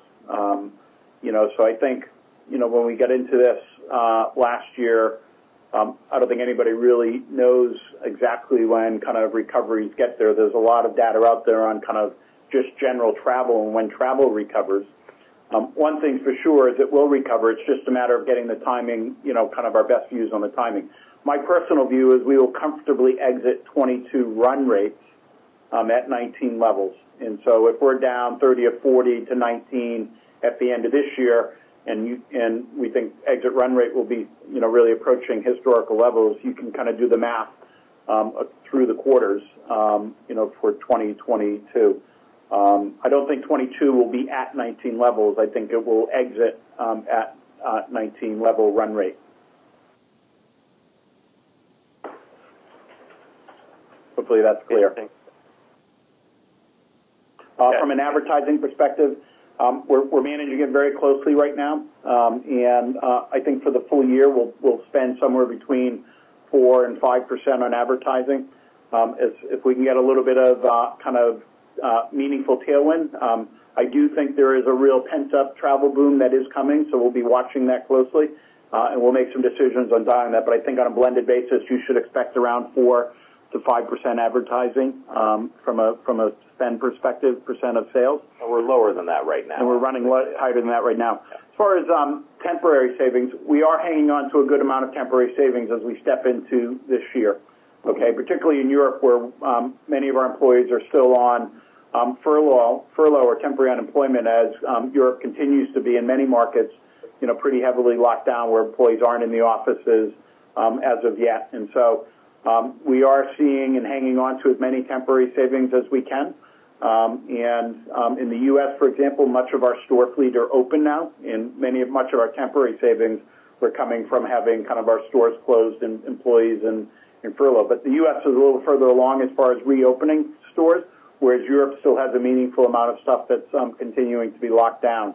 I think when we got into this last year, I don't think anybody really knows exactly when recoveries get there. There's a lot of data out there on just general travel and when travel recovers. One thing for sure is it will recover. It's just a matter of getting the timing, our best views on the timing. My personal view is we will comfortably exit 2022 run rates at 2019 levels. If we're down 30 or 40 to 2019 at the end of this year, and we think exit run rate will be really approaching historical levels, you can kind of do the math through the quarters for 2022. I don't think 2022 will be at 2019 levels. I think it will exit at 2019 level run rate. Hopefully that's clear. Yeah, thanks. From an advertising perspective, we're managing it very closely right now. I think for the full year, we'll spend somewhere between 4% and 5% on advertising. If we can get a little bit of kind of meaningful tailwind, I do think there is a real pent-up travel boom that is coming. We'll be watching that closely. We'll make some decisions on dialing that. I think on a blended basis, you should expect around 4%-5% advertising from a spend perspective, percent of sales. We're lower than that right now. We're running lighter than that right now. Yeah. As far as temporary savings, we are hanging on to a good amount of temporary savings as we step into this year. Particularly in Europe, where many of our employees are still on furlough or temporary unemployment as Europe continues to be in many markets pretty heavily locked down where employees aren't in the offices as of yet. We are seeing and hanging on to as many temporary savings as we can. In the U.S., for example, much of our store fleet are open now, and much of our temporary savings were coming from having kind of our stores closed and employees in furlough. The U.S. is a little further along as far as reopening stores, whereas Europe still has a meaningful amount of stuff that's continuing to be locked down.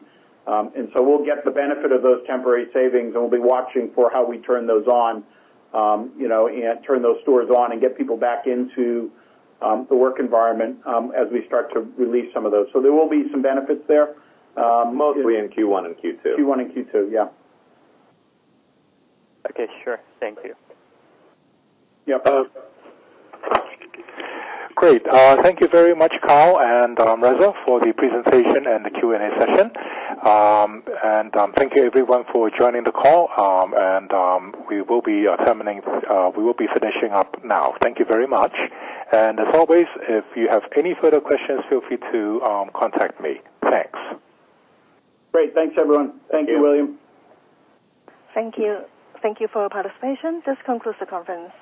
We'll get the benefit of those temporary savings, and we'll be watching for how we turn those on and turn those stores on and get people back into the work environment as we start to release some of those. There will be some benefits there. Mostly in Q1 and Q2. Q1 and Q2, yeah. Okay, sure. Thank you. Yeah. Great. Thank you very much, Kyle and Reza, for the presentation and the Q&A session. Thank you everyone for joining the call. We will be finishing up now. Thank you very much. As always, if you have any further questions, feel free to contact me. Thanks. Great, thanks everyone. Thank you, William. Thank you. Thank you for your participation. This concludes the conference.